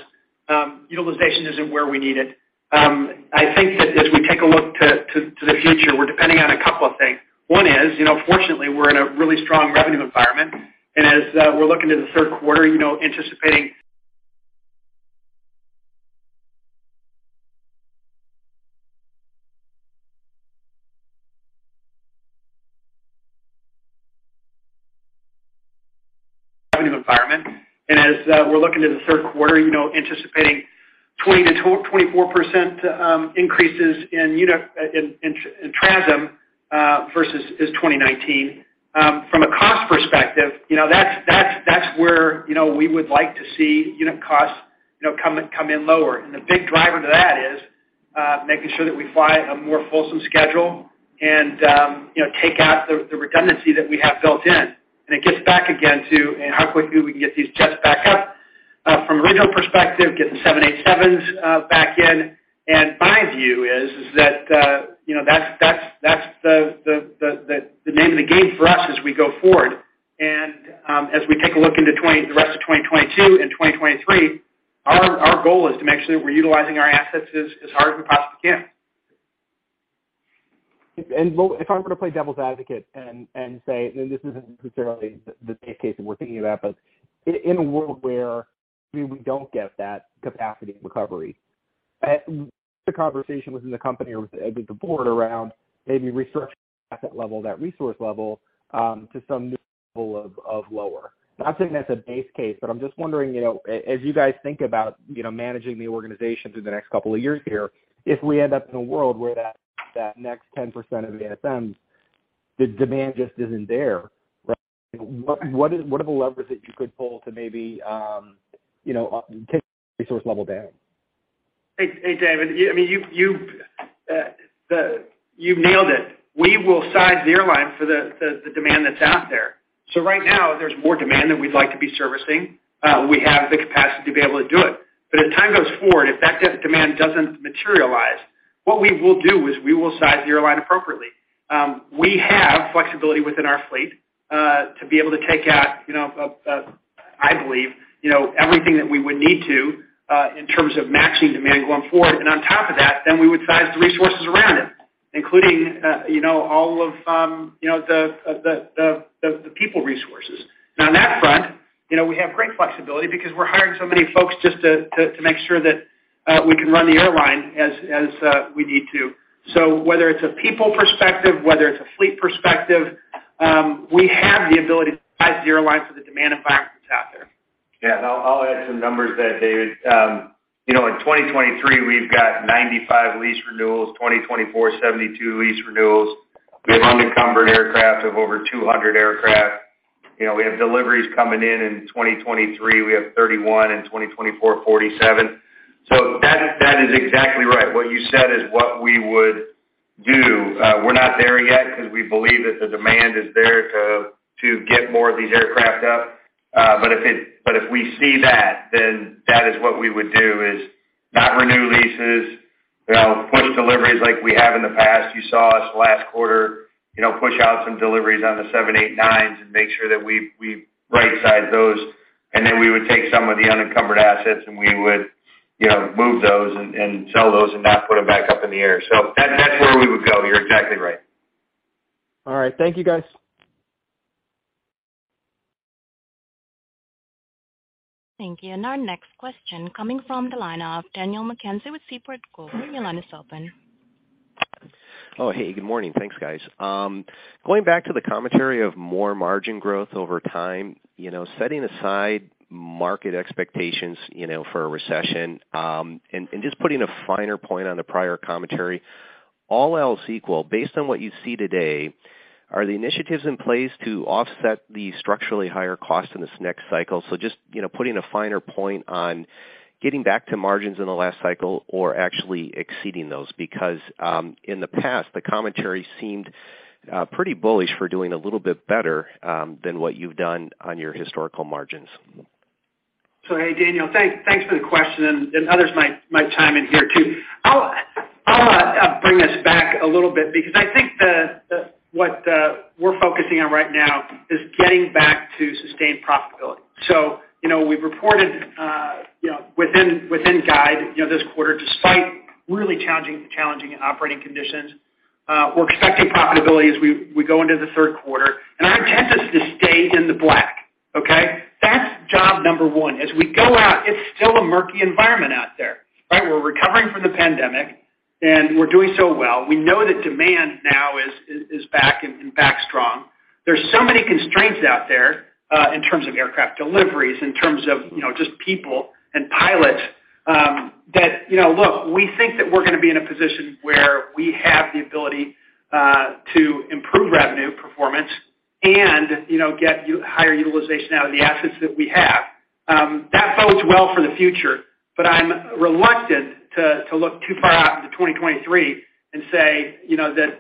Utilization isn't where we need it. I think that as we take a look to the future, we're depending on a couple of things. One is, you know, fortunately, we're in a really strong revenue environment, and as we're looking to the third quarter, you know, anticipating 20%-24% increases in TRASM versus 2019. From a cost perspective, you know, that's where, you know, we would like to see unit costs, you know, come in lower. The big driver to that is making sure that we fly a more fulsome schedule and, you know, take out the redundancy that we have built in. It gets back again to how quickly we can get these jets back up from a regional perspective, getting 787s back in. My view is that, you know, that's the name of the game for us as we go forward. As we take a look into the rest of 2022 and 2023, our goal is to make sure that we're utilizing our assets as hard as we possibly can. Well, if I were to play devil's advocate and say, this isn't necessarily the base case that we're thinking about, but in a world where we don't get that capacity and recovery, the conversation within the company or with the board around maybe restructuring asset level, that resource level, to some new level of lower. Not saying that's a base case, but I'm just wondering, you know, as you guys think about, you know, managing the organization through the next couple of years here, if we end up in a world where that next 10% of the ASM, the demand just isn't there, right? What are the levers that you could pull to maybe, you know, take resource level down? Hey, David, I mean, you've nailed it. We will size the airline for the demand that's out there. Right now, there's more demand than we'd like to be servicing. We have the capacity to be able to do it. As time goes forward, if that demand doesn't materialize, what we will do is we will size the airline appropriately. We have flexibility within our fleet to be able to take out, you know, I believe, you know, everything that we would need to in terms of matching demand going forward. On top of that, then we would size the resources around it, including, you know, all of, you know, the people resources. On that front, you know, we have great flexibility because we're hiring so many folks just to make sure that we can run the airline as we need to. Whether it's a people perspective, whether it's a fleet perspective, we have the ability to size the airline for the demand environment that's out there. Yeah. I'll add some numbers there, David. You know, in 2023, we've got 95 lease renewals. 2024, 72 lease renewals. We have unencumbered aircraft of over 200 aircraft. You know, we have deliveries coming in in 2023, we have 31, in 2024, 47. So that is exactly right. What you said is what we would do. We're not there yet because we believe that the demand is there to get more of these aircraft up. But if we see that, then that is what we would do, is not renew leases, you know, push deliveries like we have in the past. You saw us last quarter, you know, push out some deliveries on the 787-9s and make sure that we right-size those. Then we would take some of the unencumbered assets, and we would, you know, move those and sell those and not put them back up in the air. That's where we would go. You're exactly right. All right. Thank you, guys. Thank you. Our next question coming from the line of Daniel McKenzie with Seaport Global. Your line is open. Oh, hey, good morning. Thanks, guys. Going back to the commentary of more margin growth over time, you know, setting aside market expectations, you know, for a recession, and just putting a finer point on the prior commentary, all else equal, based on what you see today, are the initiatives in place to offset the structurally higher cost in this next cycle? Just, you know, putting a finer point on getting back to margins in the last cycle or actually exceeding those. In the past, the commentary seemed pretty bullish for doing a little bit better than what you've done on your historical margins. Hey, Daniel, thanks for the question, and others might chime in here, too. I'll bring us back a little bit because I think what we're focusing on right now is getting back to sustained profitability. You know, we've reported within guide, you know, this quarter, despite really challenging operating conditions. We're expecting profitability as we go into the third quarter, and our intent is to stay in the black, okay? That's job number one. As we go out, it's still a murky environment out there, right? We're recovering from the pandemic, and we're doing so well. We know that demand now is back and back strong. There's so many constraints out there in terms of aircraft deliveries, in terms of, you know, just people and pilots, that, you know, look, we think that we're gonna be in a position where we have the ability to improve revenue performance and, you know, get higher utilization out of the assets that we have. That bodes well for the future, but I'm reluctant to look too far out into 2023 and say, you know, that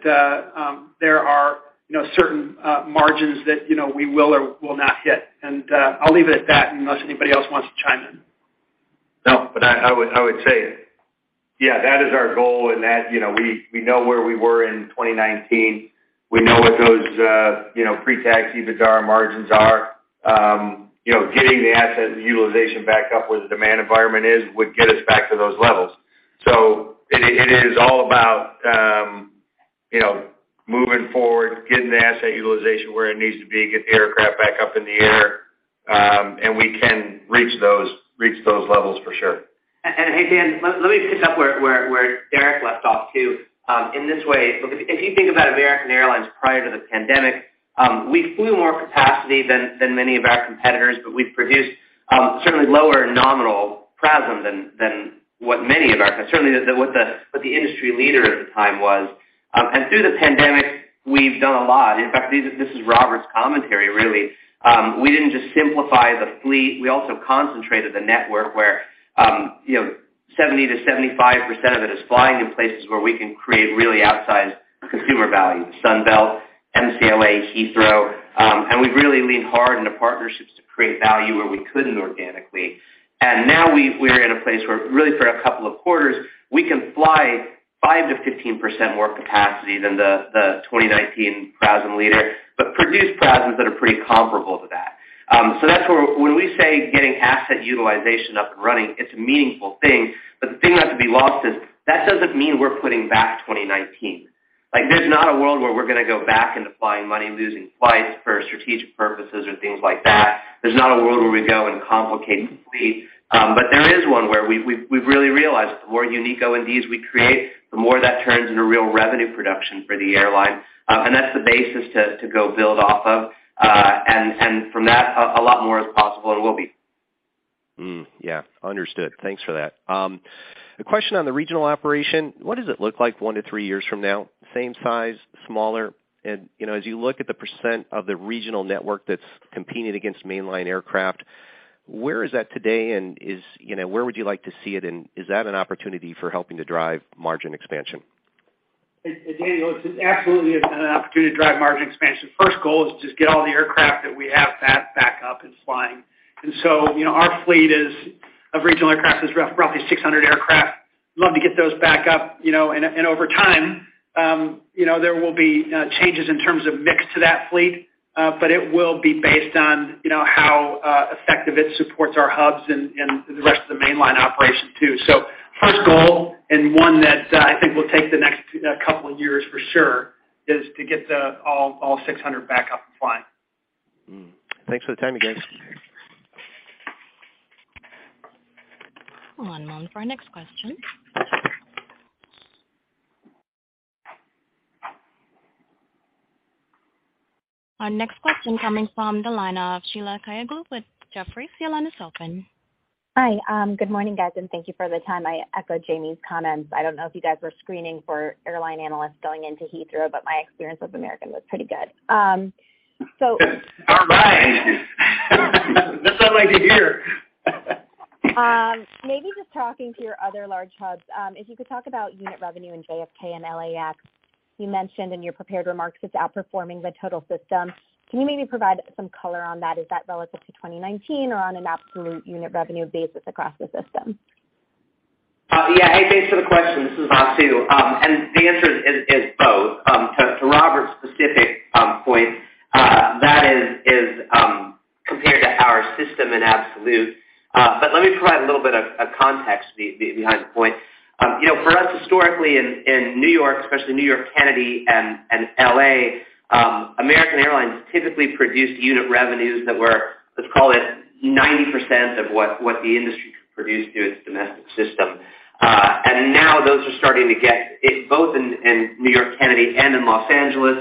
there are, you know, certain margins that, you know, we will or will not hit. I'll leave it at that unless anybody else wants to chime in. No, I would say, yeah, that is our goal, and that, you know, we know where we were in 2019. We know what those, you know, pre-tax EBITDAR margins are. You know, getting the asset and utilization back up where the demand environment is, would get us back to those levels. It is all about, you know, moving forward, getting the asset utilization where it needs to be, get the aircraft back up in the air, and we can reach those levels for sure. Hey, Dan, let me pick up where Derek left off, too. In this way, if you think about American Airlines prior to the pandemic, we flew more capacity than many of our competitors, but we've produced certainly lower nominal PRASM than what many of our—certainly than what the industry leader at the time was. Through the pandemic, we've done a lot. In fact, this is Robert's commentary, really. We didn't just simplify the fleet. We also concentrated the network where, you know, 70%-75% of it is flying in places where we can create really outsized consumer value, Sun Belt, MCLA, Heathrow. We've really leaned hard into partnerships to create value where we couldn't organically. Now we're in a place where really for a couple of quarters, we can fly 5%-15% more capacity than the 2019 PRASM leader, but produce PRASMs that are pretty comparable to that. That's where when we say getting asset utilization up and running, it's a meaningful thing. The thing not to be lost is that doesn't mean we're putting back 2019. Like, there's not a world where we're gonna go back into flying money-losing flights for strategic purposes or things like that. There's not a world where we go and complicate the fleet. There is one where we've really realized the more unique O&Ds we create, the more that turns into real revenue production for the airline. That's the basis to go build off of. From that, a lot more is possible and will be. Understood. Thanks for that. A question on the regional operation. What does it look like 1-3 years from now? Same size, smaller? You know, as you look at the percent of the regional network that's competing against mainline aircraft, where is that today? You know, where would you like to see it, and is that an opportunity for helping to drive margin expansion? Hey, Daniel, it's absolutely an opportunity to drive margin expansion. First goal is to just get all the aircraft that we have back up and flying. You know, our fleet of regional aircraft is roughly 600 aircraft. Love to get those back up, you know. Over time, you know, there will be changes in terms of mix to that fleet, but it will be based on, you know, how effective it supports our hubs and the rest of the mainline operation, too. First goal, and one that I think will take the next couple of years for sure, is to get all 600 back up and flying. Thanks for the time, you guys. Hold one moment for our next question. Our next question coming from the line of Sheila Kahyaoglu with Jefferies. Your line is open. Hi. Good morning, guys, and thank you for the time. I echo Jamie's comments. I don't know if you guys were screening for airline analysts going into Heathrow, but my experience with American was pretty good. All right. That sounds like a year. Maybe just talking to your other large hubs, if you could talk about unit revenue in JFK and LAX. You mentioned in your prepared remarks it's outperforming the total system. Can you maybe provide some color on that? Is that relative to 2019 or on an absolute unit revenue basis across the system? Yeah. Hey, thanks for the question. This is Vasu. The answer is both. To Robert's specific point, that is compared to our system in absolute. Let me provide a little bit of context behind the point. You know, for us historically in New York, especially New York Kennedy and L.A., American Airlines typically produced unit revenues that were, let's call it 90% of what the industry produced through its domestic system. Now those are starting to get both in New York Kennedy and in Los Angeles,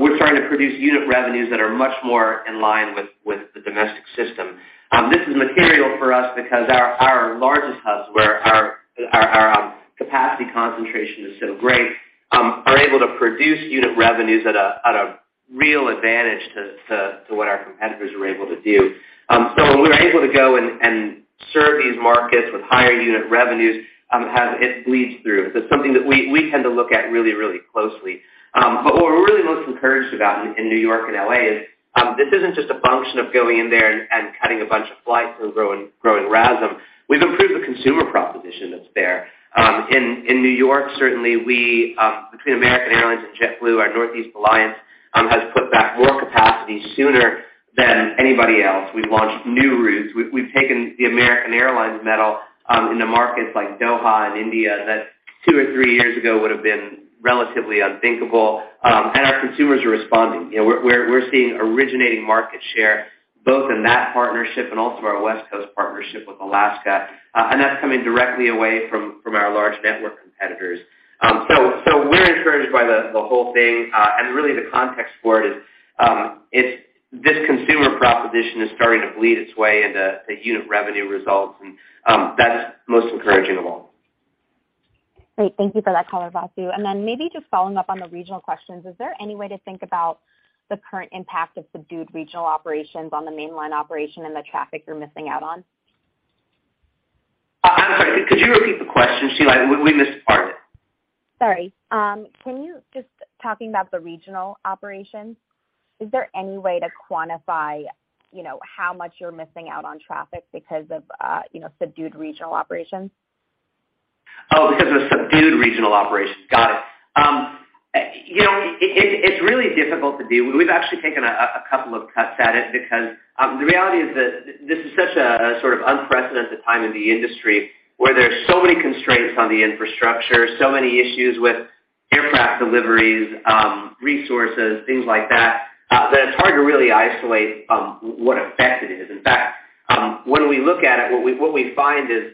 we're starting to produce unit revenues that are much more in line with the domestic system. This is material for us because our largest hubs where our capacity concentration is so great are able to produce unit revenues at a real advantage to what our competitors are able to do. When we're able to go and serve these markets with higher unit revenues, it bleeds through. It's something that we tend to look at really closely. What we're really most encouraged about in New York and L.A. is this isn't just a function of going in there and cutting a bunch of flights and growing RASM. We've improved the consumer proposition that's there. In New York, certainly we between American Airlines and JetBlue, our Northeast Alliance has put back more capacity sooner than anybody else. We've launched new routes. We've taken the American Airlines metal into markets like Doha and India that two or three years ago would have been relatively unthinkable. Our consumers are responding. You know, we're seeing originating market share both in that partnership and also our West Coast partnership with Alaska. That's coming directly away from our large network competitors. We're encouraged by the whole thing. Really the context for it is, it's this consumer proposition is starting to bleed its way into the unit revenue results, and that's most encouraging of all. Great. Thank you for that color, Vasu. Maybe just following up on the regional questions, is there any way to think about the current impact of subdued regional operations on the mainline operation and the traffic you're missing out on? I'm sorry. Could you repeat the question, Sheila? We missed. Sorry. Can you just talk about the regional operations, is there any way to quantify, you know, how much you're missing out on traffic because of, you know, subdued regional operations? Oh, because of subdued regional operations. Got it. You know, it's really difficult to do. We've actually taken a couple of cuts at it because the reality is that this is such a sort of unprecedented time in the industry where there's so many constraints on the infrastructure, so many issues with aircraft deliveries, resources, things like that it's hard to really isolate what effect it is. In fact, when we look at it, what we find is,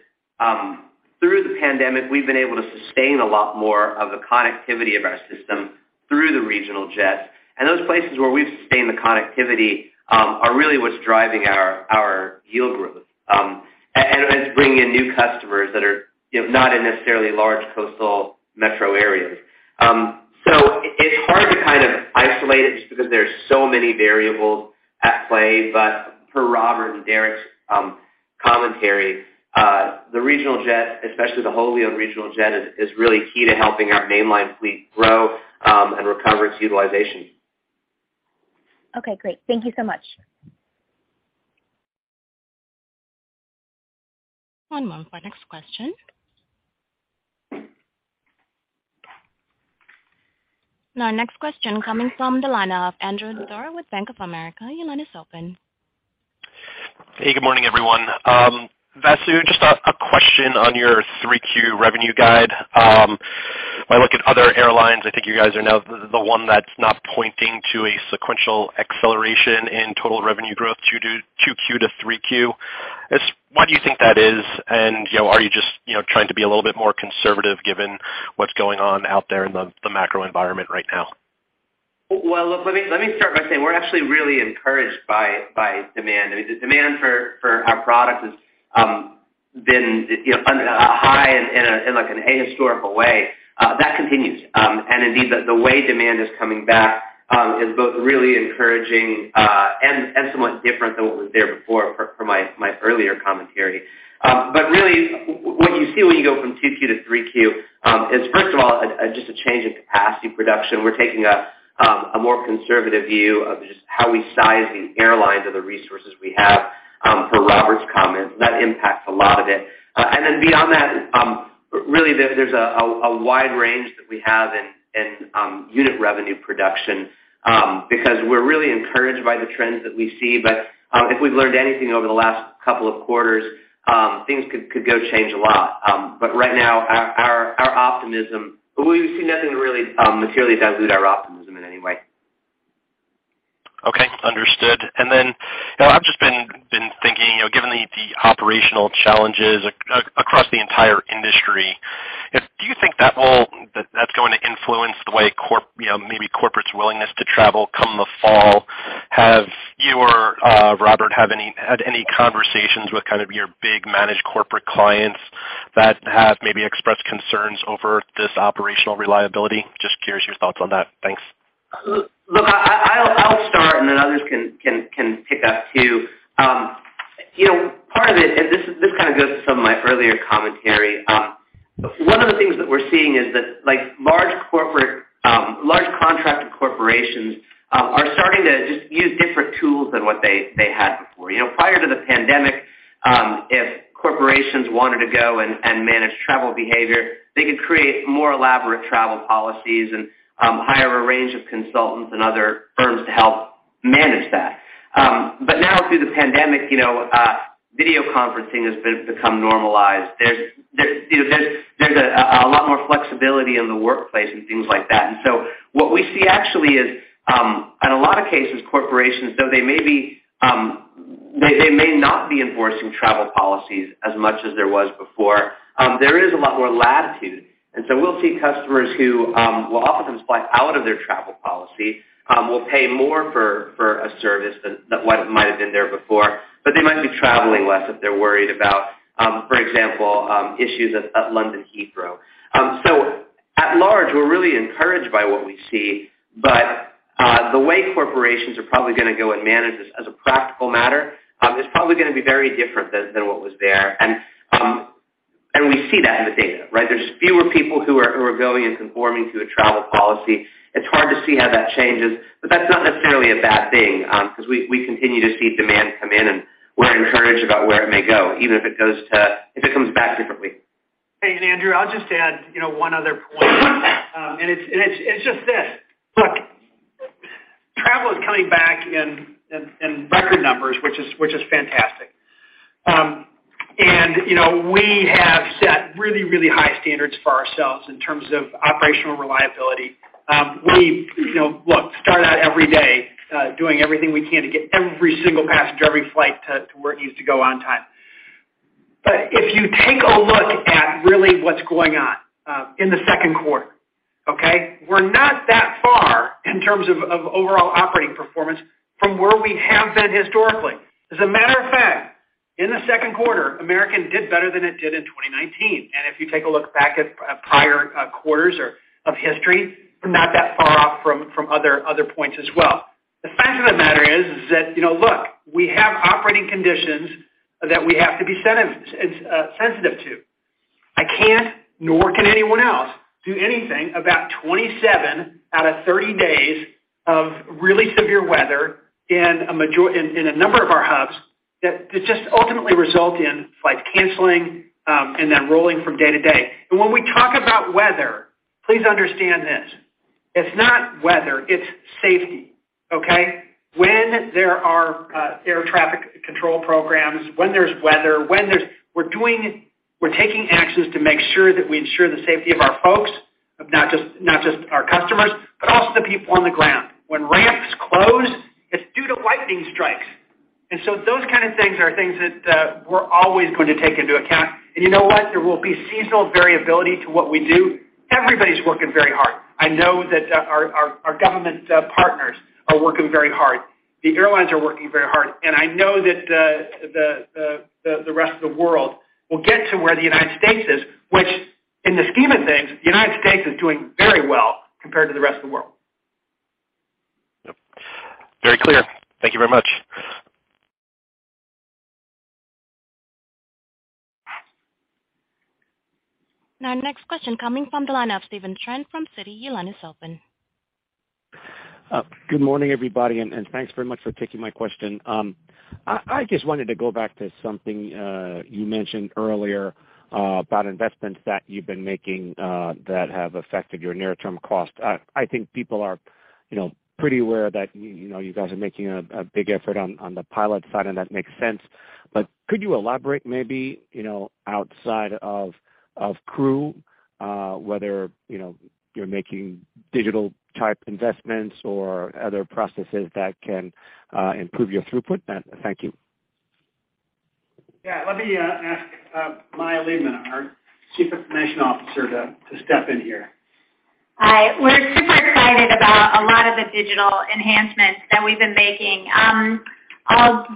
through the pandemic, we've been able to sustain a lot more of the connectivity of our system through the regional jets. Those places where we've sustained the connectivity are really what's driving our yield growth, and it's bringing in new customers that are, you know, not in necessarily large coastal metro areas. It's hard to kind of isolate it just because there's so many variables at play. Per Robert and Derek's commentary, the regional jet, especially the wholly owned regional jet is really key to helping our mainline fleet grow, and recover its utilization. Okay, great. Thank you so much. One moment for our next question. Our next question coming from the line of Andrew Didora with Bank of America. Your line is open. Hey, good morning, everyone. Vasu, just a question on your 3Q revenue guide. When I look at other airlines, I think you guys are now the one that's not pointing to a sequential acceleration in total revenue growth 2Q to 3Q. Why do you think that is? You know, are you just you know, trying to be a little bit more conservative given what's going on out there in the macro environment right now? Look, let me start by saying we're actually really encouraged by demand. I mean, the demand for our product has been, you know, high in like an ahistorical way that continues. Indeed, the way demand is coming back is both really encouraging and somewhat different than what was there before for my earlier commentary. Really what you see when you go from 2Q to 3Q is first of all just a change in capacity production. We're taking a more conservative view of just how we size the airlines or the resources we have per Robert's comments. That impacts a lot of it. Beyond that, really there is a wide range that we have in unit revenue production, because we're really encouraged by the trends that we see. If we've learned anything over the last couple of quarters, things could go change a lot. Right now our optimism. We've seen nothing to really materially dilute our optimism in any way. Okay, understood. You know, I've just been thinking, you know, given the operational challenges across the entire industry, do you think that that's going to influence the way corp, you know, maybe corporate's willingness to travel come the fall? Have you or Robert had any conversations with kind of your big managed corporate clients that have maybe expressed concerns over this operational reliability? Just curious your thoughts on that. Thanks. Look, I'll start, and then others can pick up too. You know, part of it, this kind of goes to some of my earlier commentary. One of the things that we're seeing is that like large contracted corporations are starting to just use different tools than what they had before. You know, prior to the pandemic, if corporations wanted to go and manage travel behavior, they could create more elaborate travel policies and hire a range of consultants and other firms to help manage that. Now through the pandemic, you know, video conferencing has become normalized. There's you know, there's a lot more flexibility in the workplace and things like that. What we see actually is, in a lot of cases, corporations, though they may be, they may not be enforcing travel policies as much as there was before. There is a lot more latitude, and so we'll see customers who will often times fly out of their travel policy, will pay more for a service than what might have been there before, but they might be traveling less if they're worried about, for example, issues at London Heathrow. At large, we're really encouraged by what we see. The way corporations are probably gonna go and manage this as a practical matter is probably gonna be very different than what was there. We see that in the data, right? There's fewer people who are going and conforming to a travel policy. It's hard to see how that changes, but that's not necessarily a bad thing, 'cause we continue to see demand come in, and we're encouraged about where it may go, even if it comes back differently. Hey, Andrew, I'll just add, you know, one other point. It's just this. Look, travel is coming back in record numbers, which is fantastic. You know, we have set really high standards for ourselves in terms of operational reliability. You know, look, we start out every day doing everything we can to get every single passenger, every flight to where it needs to go on time. If you take a look at really what's going on in the second quarter, okay? We're not that far in terms of overall operating performance from where we have been historically. As a matter of fact, in the second quarter, American did better than it did in 2019. If you take a look back at prior quarters or history, we're not that far off from other points as well. The fact of the matter is that, you know, look, we have operating conditions that we have to be sensitive to. I can't, nor can anyone else, do anything about 27 out of 30 days of really severe weather in a number of our hubs that just ultimately result in flight cancellations and then rolling from day to day. When we talk about weather, please understand this. It's not weather, it's safety. Okay. When there are air traffic control problems, when there's weather, we're taking actions to make sure that we ensure the safety of our folks, not just our customers, but also the people on the ground. When ramps close, it's due to lightning strikes. Those kind of things are things that we're always going to take into account. You know what? There will be seasonal variability to what we do. Everybody's working very hard. I know that our government partners are working very hard. The airlines are working very hard. I know that the rest of the world will get to where the United States is, which in the scheme of things, the United States is doing very well compared to the rest of the world. Yep. Very clear. Thank you very much. Now, next question coming from the line of Stephen Trent from Citi. Your line is open. Good morning, everybody, and thanks very much for taking my question. I just wanted to go back to something you mentioned earlier about investments that you've been making that have affected your near-term cost. I think people are, you know, pretty aware that you know, you guys are making a big effort on the pilot side, and that makes sense. Could you elaborate maybe, you know, outside of crew whether you're making digital-type investments or other processes that can improve your throughput? Thank you. Yeah. Let me ask Maya Leibman, our Chief Information Officer, to step in here. Hi. We're super excited about a lot of the digital enhancements that we've been making. I'll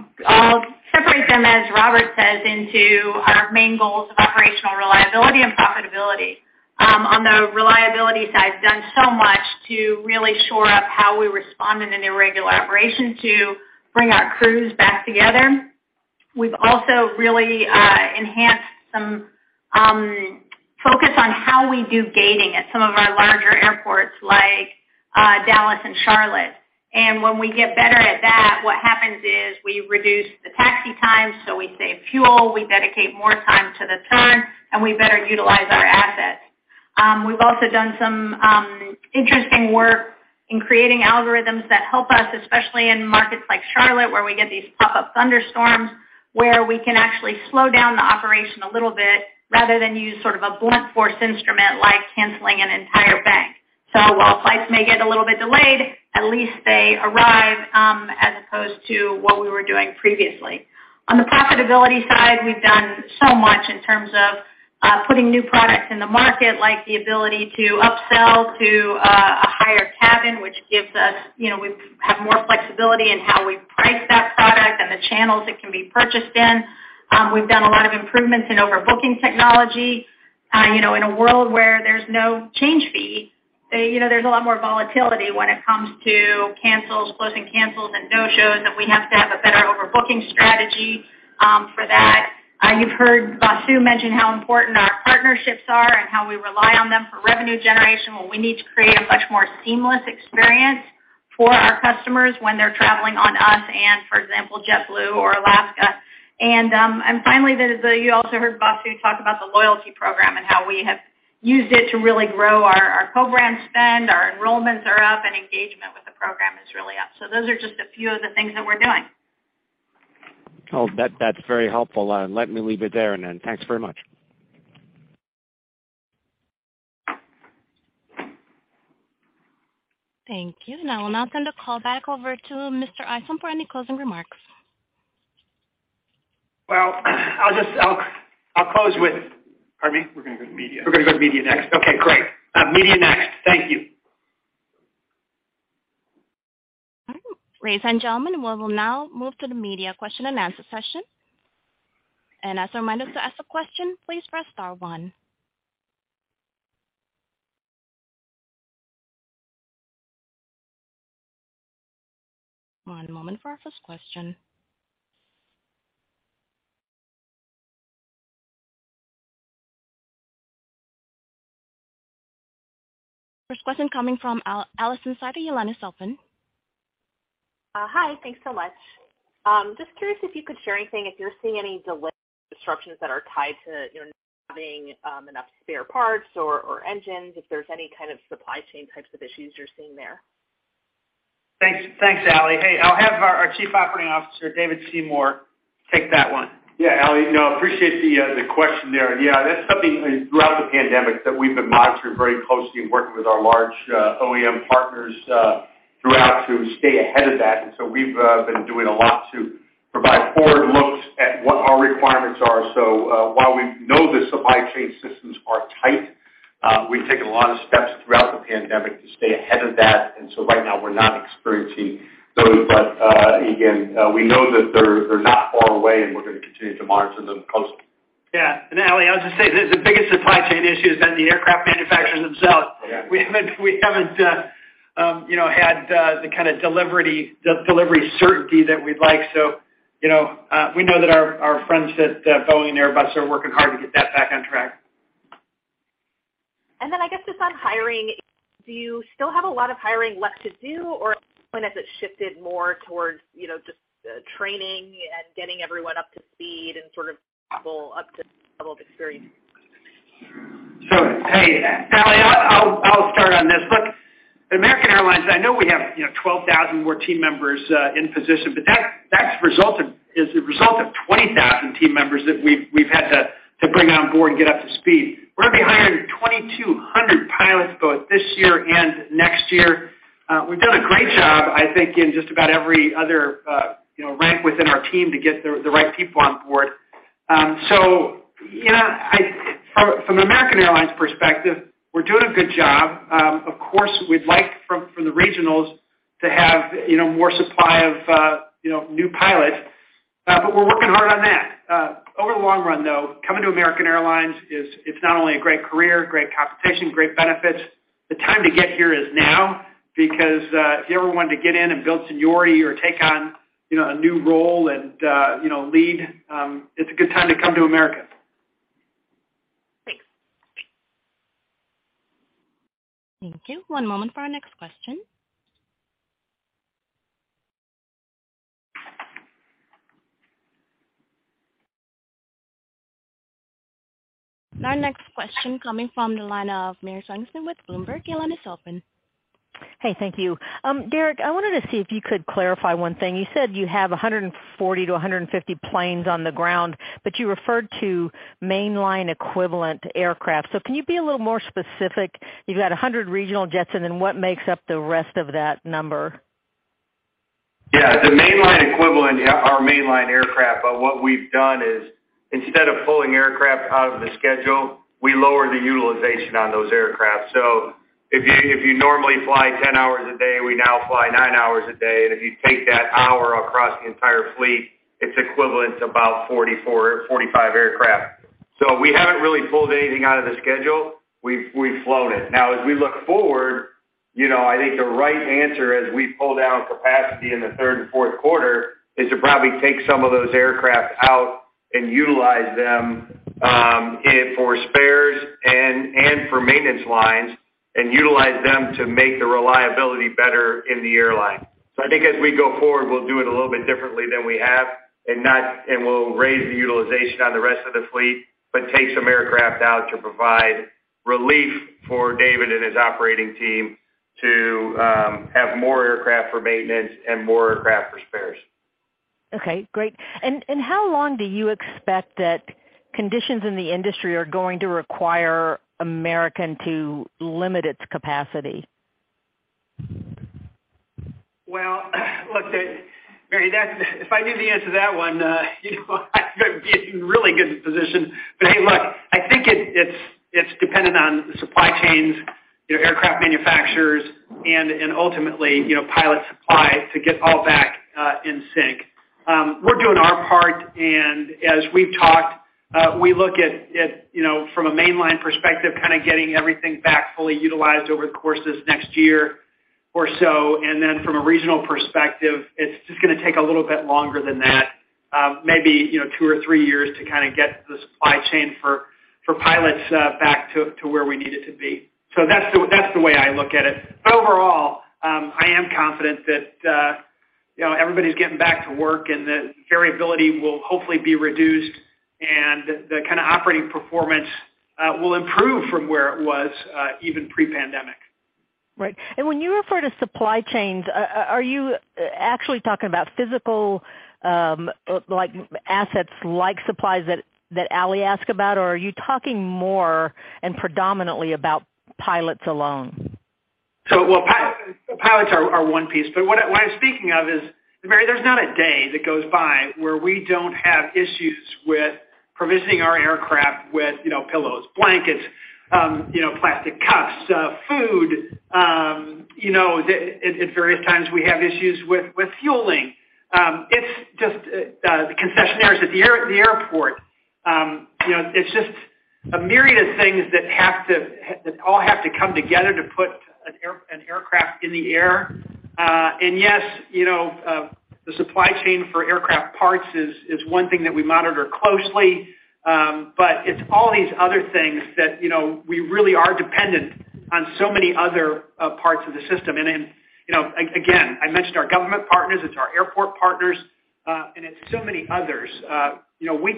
separate them, as Robert says, into our main goals of operational reliability and profitability. On the reliability side, done so much to really shore up how we respond in an irregular operation to bring our crews back together. We've also really enhanced some focus on how we do gating at some of our larger airports like Dallas and Charlotte. When we get better at that, what happens is we reduce the taxi time, so we save fuel, we dedicate more time to the turn, and we better utilize our assets. We've also done some interesting work in creating algorithms that help us, especially in markets like Charlotte, where we get these pop-up thunderstorms, where we can actually slow down the operation a little bit rather than use sort of a blunt force instrument like canceling an entire bank. While flights may get a little bit delayed, at least they arrive, as opposed to what we were doing previously. On the profitability side, we've done so much in terms of putting new products in the market, like the ability to upsell to a higher cabin, which gives us, you know, we have more flexibility in how we price that product and the channels it can be purchased in. We've done a lot of improvements in overbooking technology. You know, in a world where there's no change fee, you know, there's a lot more volatility when it comes to cancels, closing cancels, and no-shows, and we have to have a better overbooking strategy for that. You've heard Vasu mention how important our partnerships are and how we rely on them for revenue generation. Well, we need to create a much more seamless experience for our customers when they're traveling on us and, for example, JetBlue or Alaska. Finally, you also heard Vasu talk about the loyalty program and how we have used it to really grow our co-brand spend. Our enrollments are up and engagement with the program is really up. Those are just a few of the things that we're doing. Oh, that's very helpful. Let me leave it there and then. Thanks very much. Thank you. Now I'll turn the call back over to Mr. Isom for any closing remarks. Well, I'll close with. Pardon me? We're gonna go to media. We're gonna go to media next. Okay, great. Media next. Thank you. Ladies and gentlemen, we will now move to the media question-and-answer session. As a reminder, to ask a question, please press star one. One moment for our first question. First question coming from Alison Sider. Your line is open. Hi. Thanks so much. Just curious if you could share anything, if you're seeing any delay disruptions that are tied to, you know, not having enough spare parts or engines, if there's any kind of supply chain types of issues you're seeing there. Thanks. Thanks, Allie. Hey, I'll have our Chief Operating Officer, David Seymour, take that one. Yeah. Allie, appreciate the question there. Yeah, that's something throughout the pandemic that we've been monitoring very closely and working with our large OEM partners throughout to stay ahead of that. We've been doing a lot to provide forward looks at what our requirements are. While we know the supply chain systems are tight, we've taken a lot of steps throughout the pandemic to stay ahead of that. Right now, we're not experiencing those. Again, we know that they're not far away, and we're gonna continue to monitor them closely. Yeah. Allie, I'll just say this. The issue has been the aircraft manufacturers themselves. We haven't you know had the kind of delivery certainty that we'd like. You know, we know that our friends at Boeing and Airbus are working hard to get that back on track. I guess just on hiring, do you still have a lot of hiring left to do, or at what point has it shifted more towards, you know, just, training and getting everyone up to speed and sort of people up to level of experience? Hey, Allie, I'll start on this. Look, at American Airlines, I know we have, you know, 12,000 more team members in position, but that's the result of 20,000 team members that we've had to bring on board and get up to speed. We're gonna be hiring 2,200 pilots both this year and next year. We've done a great job, I think, in just about every other, you know, rank within our team to get the right people on board. From American Airlines perspective, we're doing a good job. Of course, we'd like from the regionals to have, you know, more supply of, you know, new pilots. But we're working hard on that. Over the long run, though, coming to American Airlines is it's not only a great career, great compensation, great benefits. The time to get here is now because if you ever wanted to get in and build seniority or take on, you know, a new role and, you know, lead, it's a good time to come to American. Thanks. Thank you. One moment for our next question. Our next question coming from the line of Mary Schlangenstein with Bloomberg. Your line is open. Hey, thank you. Derek, I wanted to see if you could clarify one thing. You said you have 140-150 planes on the ground, but you referred to mainline equivalent aircraft. Can you be a little more specific? You've got 100 regional jets, and then what makes up the rest of that number? Yeah. The mainline equivalent are our mainline aircraft, but what we've done is instead of pulling aircraft out of the schedule, we lower the utilization on those aircraft. If you normally fly 10 hours a day, we now fly nine hours a day. If you take that hour across the entire fleet, it's equivalent to about 44 or 45 aircraft. We haven't really pulled anything out of the schedule. We've flown it. Now as we look forward, you know, I think the right answer as we pull down capacity in the third and fourth quarter is to probably take some of those aircraft out and utilize them in for spares and for maintenance lines and utilize them to make the reliability better in the airline. I think as we go forward, we'll do it a little bit differently than we have and we'll raise the utilization on the rest of the fleet, but take some aircraft out to provide relief for David and his operating team to have more aircraft for maintenance and more aircraft for spares. Okay, great. How long do you expect that conditions in the industry are going to require American to limit its capacity? Well, look, Mary, that's if I knew the answer to that one, you know, I'd be in really good position. Hey, look, I think it's dependent on the supply chains, you know, aircraft manufacturers and ultimately, you know, pilot supply to get all back in sync. We're doing our part and as we've talked, we look at, you know, from a mainline perspective, kind of getting everything back fully utilized over the course of this next year or so. Then from a regional perspective, it's just gonna take a little bit longer than that, maybe, you know, two or three years to kind of get the supply chain for pilots back to where we need it to be. That's the way I look at it. Overall, I am confident that, you know, everybody's getting back to work and that variability will hopefully be reduced and the kind of operating performance will improve from where it was, even pre-pandemic. Right. When you refer to supply chains, are you actually talking about physical, like assets like supplies that Allie asked about? Or are you talking more and predominantly about pilots alone? Well, pilots are one piece, but what I'm speaking of is, Mary Schlangenstein, there's not a day that goes by where we don't have issues with provisioning our aircraft with, you know, pillows, blankets, you know, plastic cups, food. You know, at various times we have issues with fueling. It's just the concessionaires at the airport. You know, it's just a myriad of things that all have to come together to put an aircraft in the air. Yes, you know, the supply chain for aircraft parts is one thing that we monitor closely. But it's all these other things that, you know, we really are dependent on so many other parts of the system. You know, again, I mentioned our government partners, it's our airport partners, and it's so many others. You know,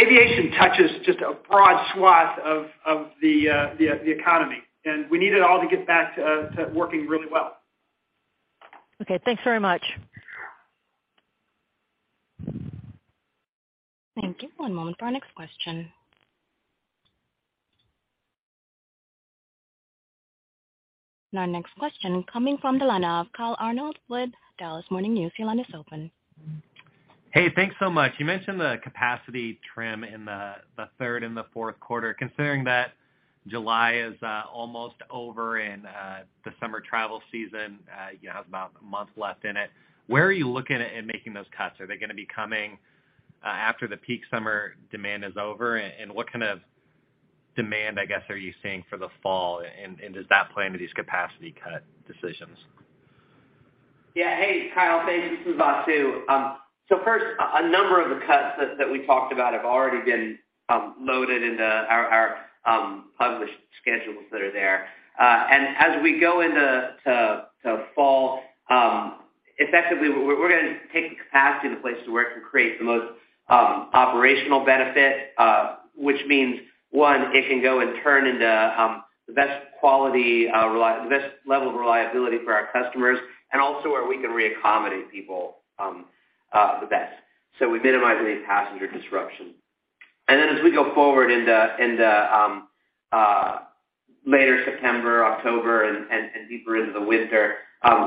aviation touches just a broad swath of the economy, and we need it all to get back to working really well. Okay, thanks very much. Thank you. One moment for our next question. Our next question coming from the line of Kyle Arnold with Dallas Morning News. Your line is open. Hey, thanks so much. You mentioned the capacity trim in the third and fourth quarter. Considering that July is almost over, and the summer travel season you have about a month left in it. Where are you looking at in making those cuts? Are they gonna be coming after the peak summer demand is over? What kind of demand, I guess, are you seeing for the fall, and does that play into these capacity cut decisions? Yeah. Hey, Kyle. Thanks. This is Vasu. So first, a number of the cuts that we talked about have already been loaded into our published schedules that are there. As we go into fall, effectively, we're gonna take the capacity into place to where it can create the most operational benefit, which means it can go and turn into the best quality, the best level of reliability for our customers and also where we can reaccommodate people the best, so we minimize any passenger disruption. As we go forward in the late September, October and deeper into the winter,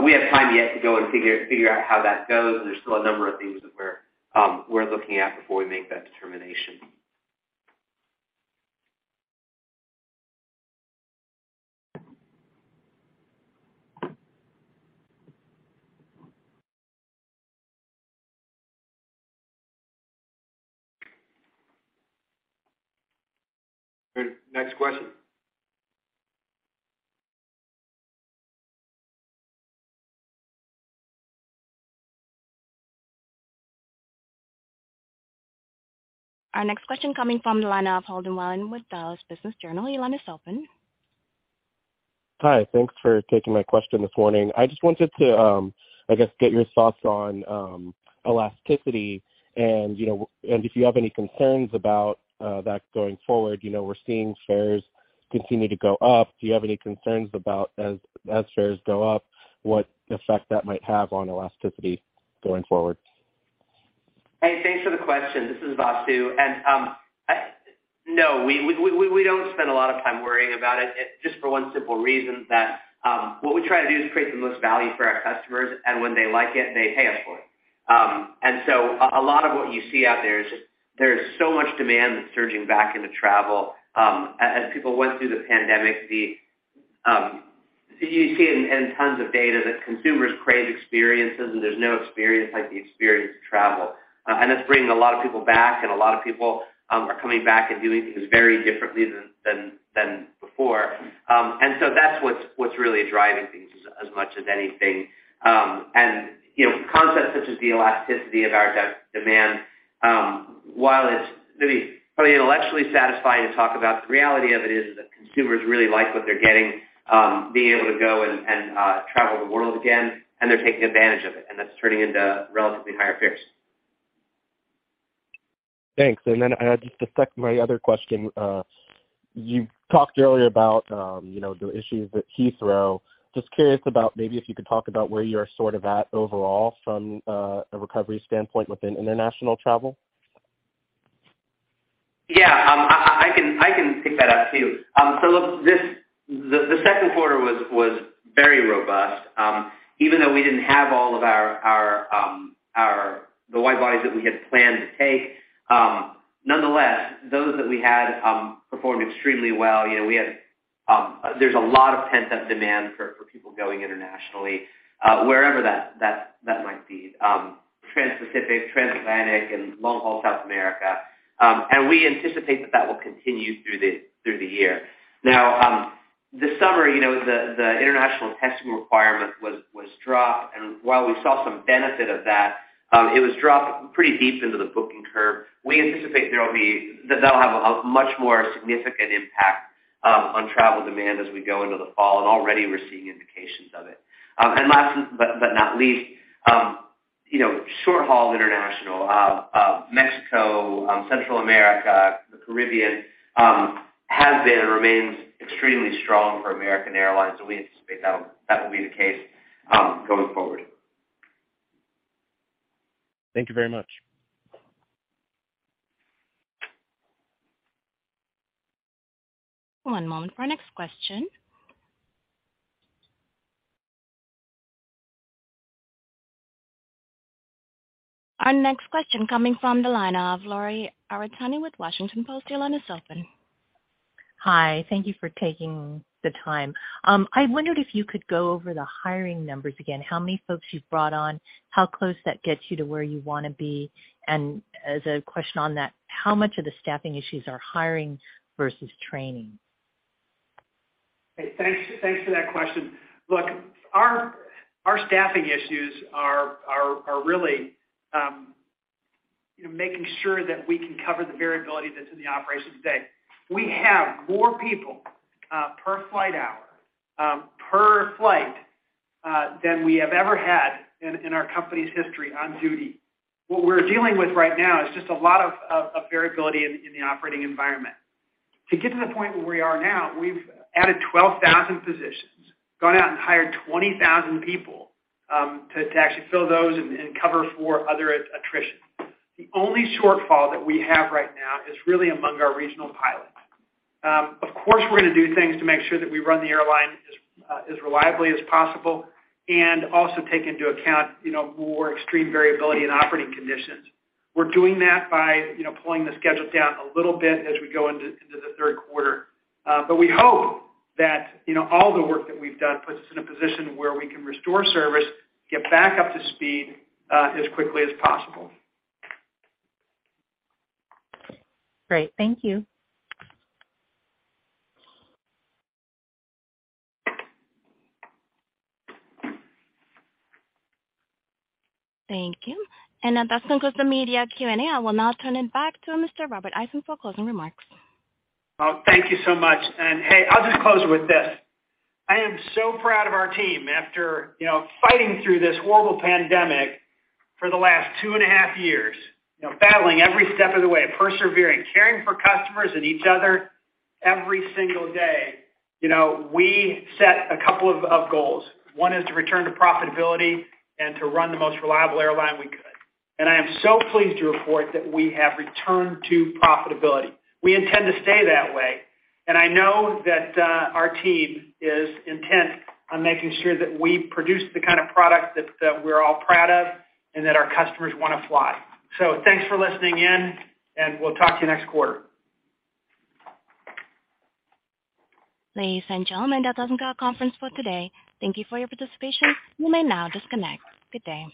we have time yet to go and figure out how that goes, and there's still a number of things that we're looking at before we make that determination. Great. Next question. Our next question coming from the line of Holden Wilen with Dallas Business Journal. Your line is open. Hi. Thanks for taking my question this morning. I just wanted to, I guess, get your thoughts on elasticity and, you know, and if you have any concerns about that going forward. You know, we're seeing fares continue to go up. Do you have any concerns about, as fares go up, what effect that might have on elasticity going forward? Hey, thanks for the question. This is Vasu. No, we don't spend a lot of time worrying about it, just for one simple reason that what we try to do is create the most value for our customers, and when they like it, they pay us for it. A lot of what you see out there is just there's so much demand that's surging back into travel. As people went through the pandemic, you see it in tons of data that consumers crave experiences, and there's no experience like the experience of travel. That's bringing a lot of people back, and a lot of people are coming back and doing things very differently than before. That's what's really driving things as much as anything. You know, concepts such as the elasticity of our demand, while it's maybe probably intellectually satisfying to talk about, the reality of it is that consumers really like what they're getting, being able to go and travel the world again, and they're taking advantage of it, and that's turning into relatively higher fares. Thanks. Just a sec, my other question. You talked earlier about, you know, the issues at Heathrow. Just curious about maybe if you could talk about where you're sort of at overall from a recovery standpoint within international travel. Yeah. I can pick that up too. Look, the second quarter was very robust. Even though we didn't have all of our widebodies that we had planned to take, nonetheless, those that we had performed extremely well. You know, there's a lot of pent-up demand for people going internationally, wherever that might be, Trans-Pacific, Transatlantic and long-haul South America. We anticipate that will continue through the year. Now, this summer, you know, the international testing requirement was dropped, and while we saw some benefit of that, it was dropped pretty deep into the booking curve. We anticipate that'll have a much more significant impact on travel demand as we go into the fall, and already we're seeing indications of it. Last but not least, you know, short-haul international, Mexico, Central America, the Caribbean, has been and remains extremely strong for American Airlines, and we anticipate that will be the case going forward. Thank you very much. One moment for our next question. Our next question coming from the line of Lori Aratani with Washington Post. Your line is open. Hi. Thank you for taking the time. I wondered if you could go over the hiring numbers again, how many folks you've brought on, how close that gets you to where you wanna be. As a question on that, how much of the staffing issues are hiring versus training? Hey, thanks for that question. Look, our staffing issues are really, you know, making sure that we can cover the variability that's in the operation today. We have more people per flight hour per flight than we have ever had in our company's history on duty. What we're dealing with right now is just a lot of variability in the operating environment. To get to the point where we are now, we've added 12,000 positions, gone out and hired 20,000 people to actually fill those and cover for other attrition. The only shortfall that we have right now is really among our regional pilots. Of course, we're gonna do things to make sure that we run the airline as reliably as possible and also take into account, you know, more extreme variability in operating conditions. We're doing that by, you know, pulling the schedule down a little bit as we go into the third quarter. We hope that, you know, all the work that we've done puts us in a position where we can restore service, get back up to speed as quickly as possible. Great. Thank you. Thank you. That concludes the media Q&A. I will now turn it back to Mr. Robert Isom for closing remarks. Well, thank you so much. Hey, I'll just close with this. I am so proud of our team after, you know, fighting through this horrible pandemic for the last 2.5 Years, you know, battling every step of the way, persevering, caring for customers and each other every single day. You know, we set a couple of goals. One is to return to profitability and to run the most reliable airline we could, and I am so pleased to report that we have returned to profitability. We intend to stay that way, and I know that our team is intent on making sure that we produce the kind of product that we're all proud of and that our customers wanna fly. Thanks for listening in, and we'll talk to you next quarter. Ladies and gentlemen, that does end our conference for today. Thank you for your participation. You may now disconnect. Good day.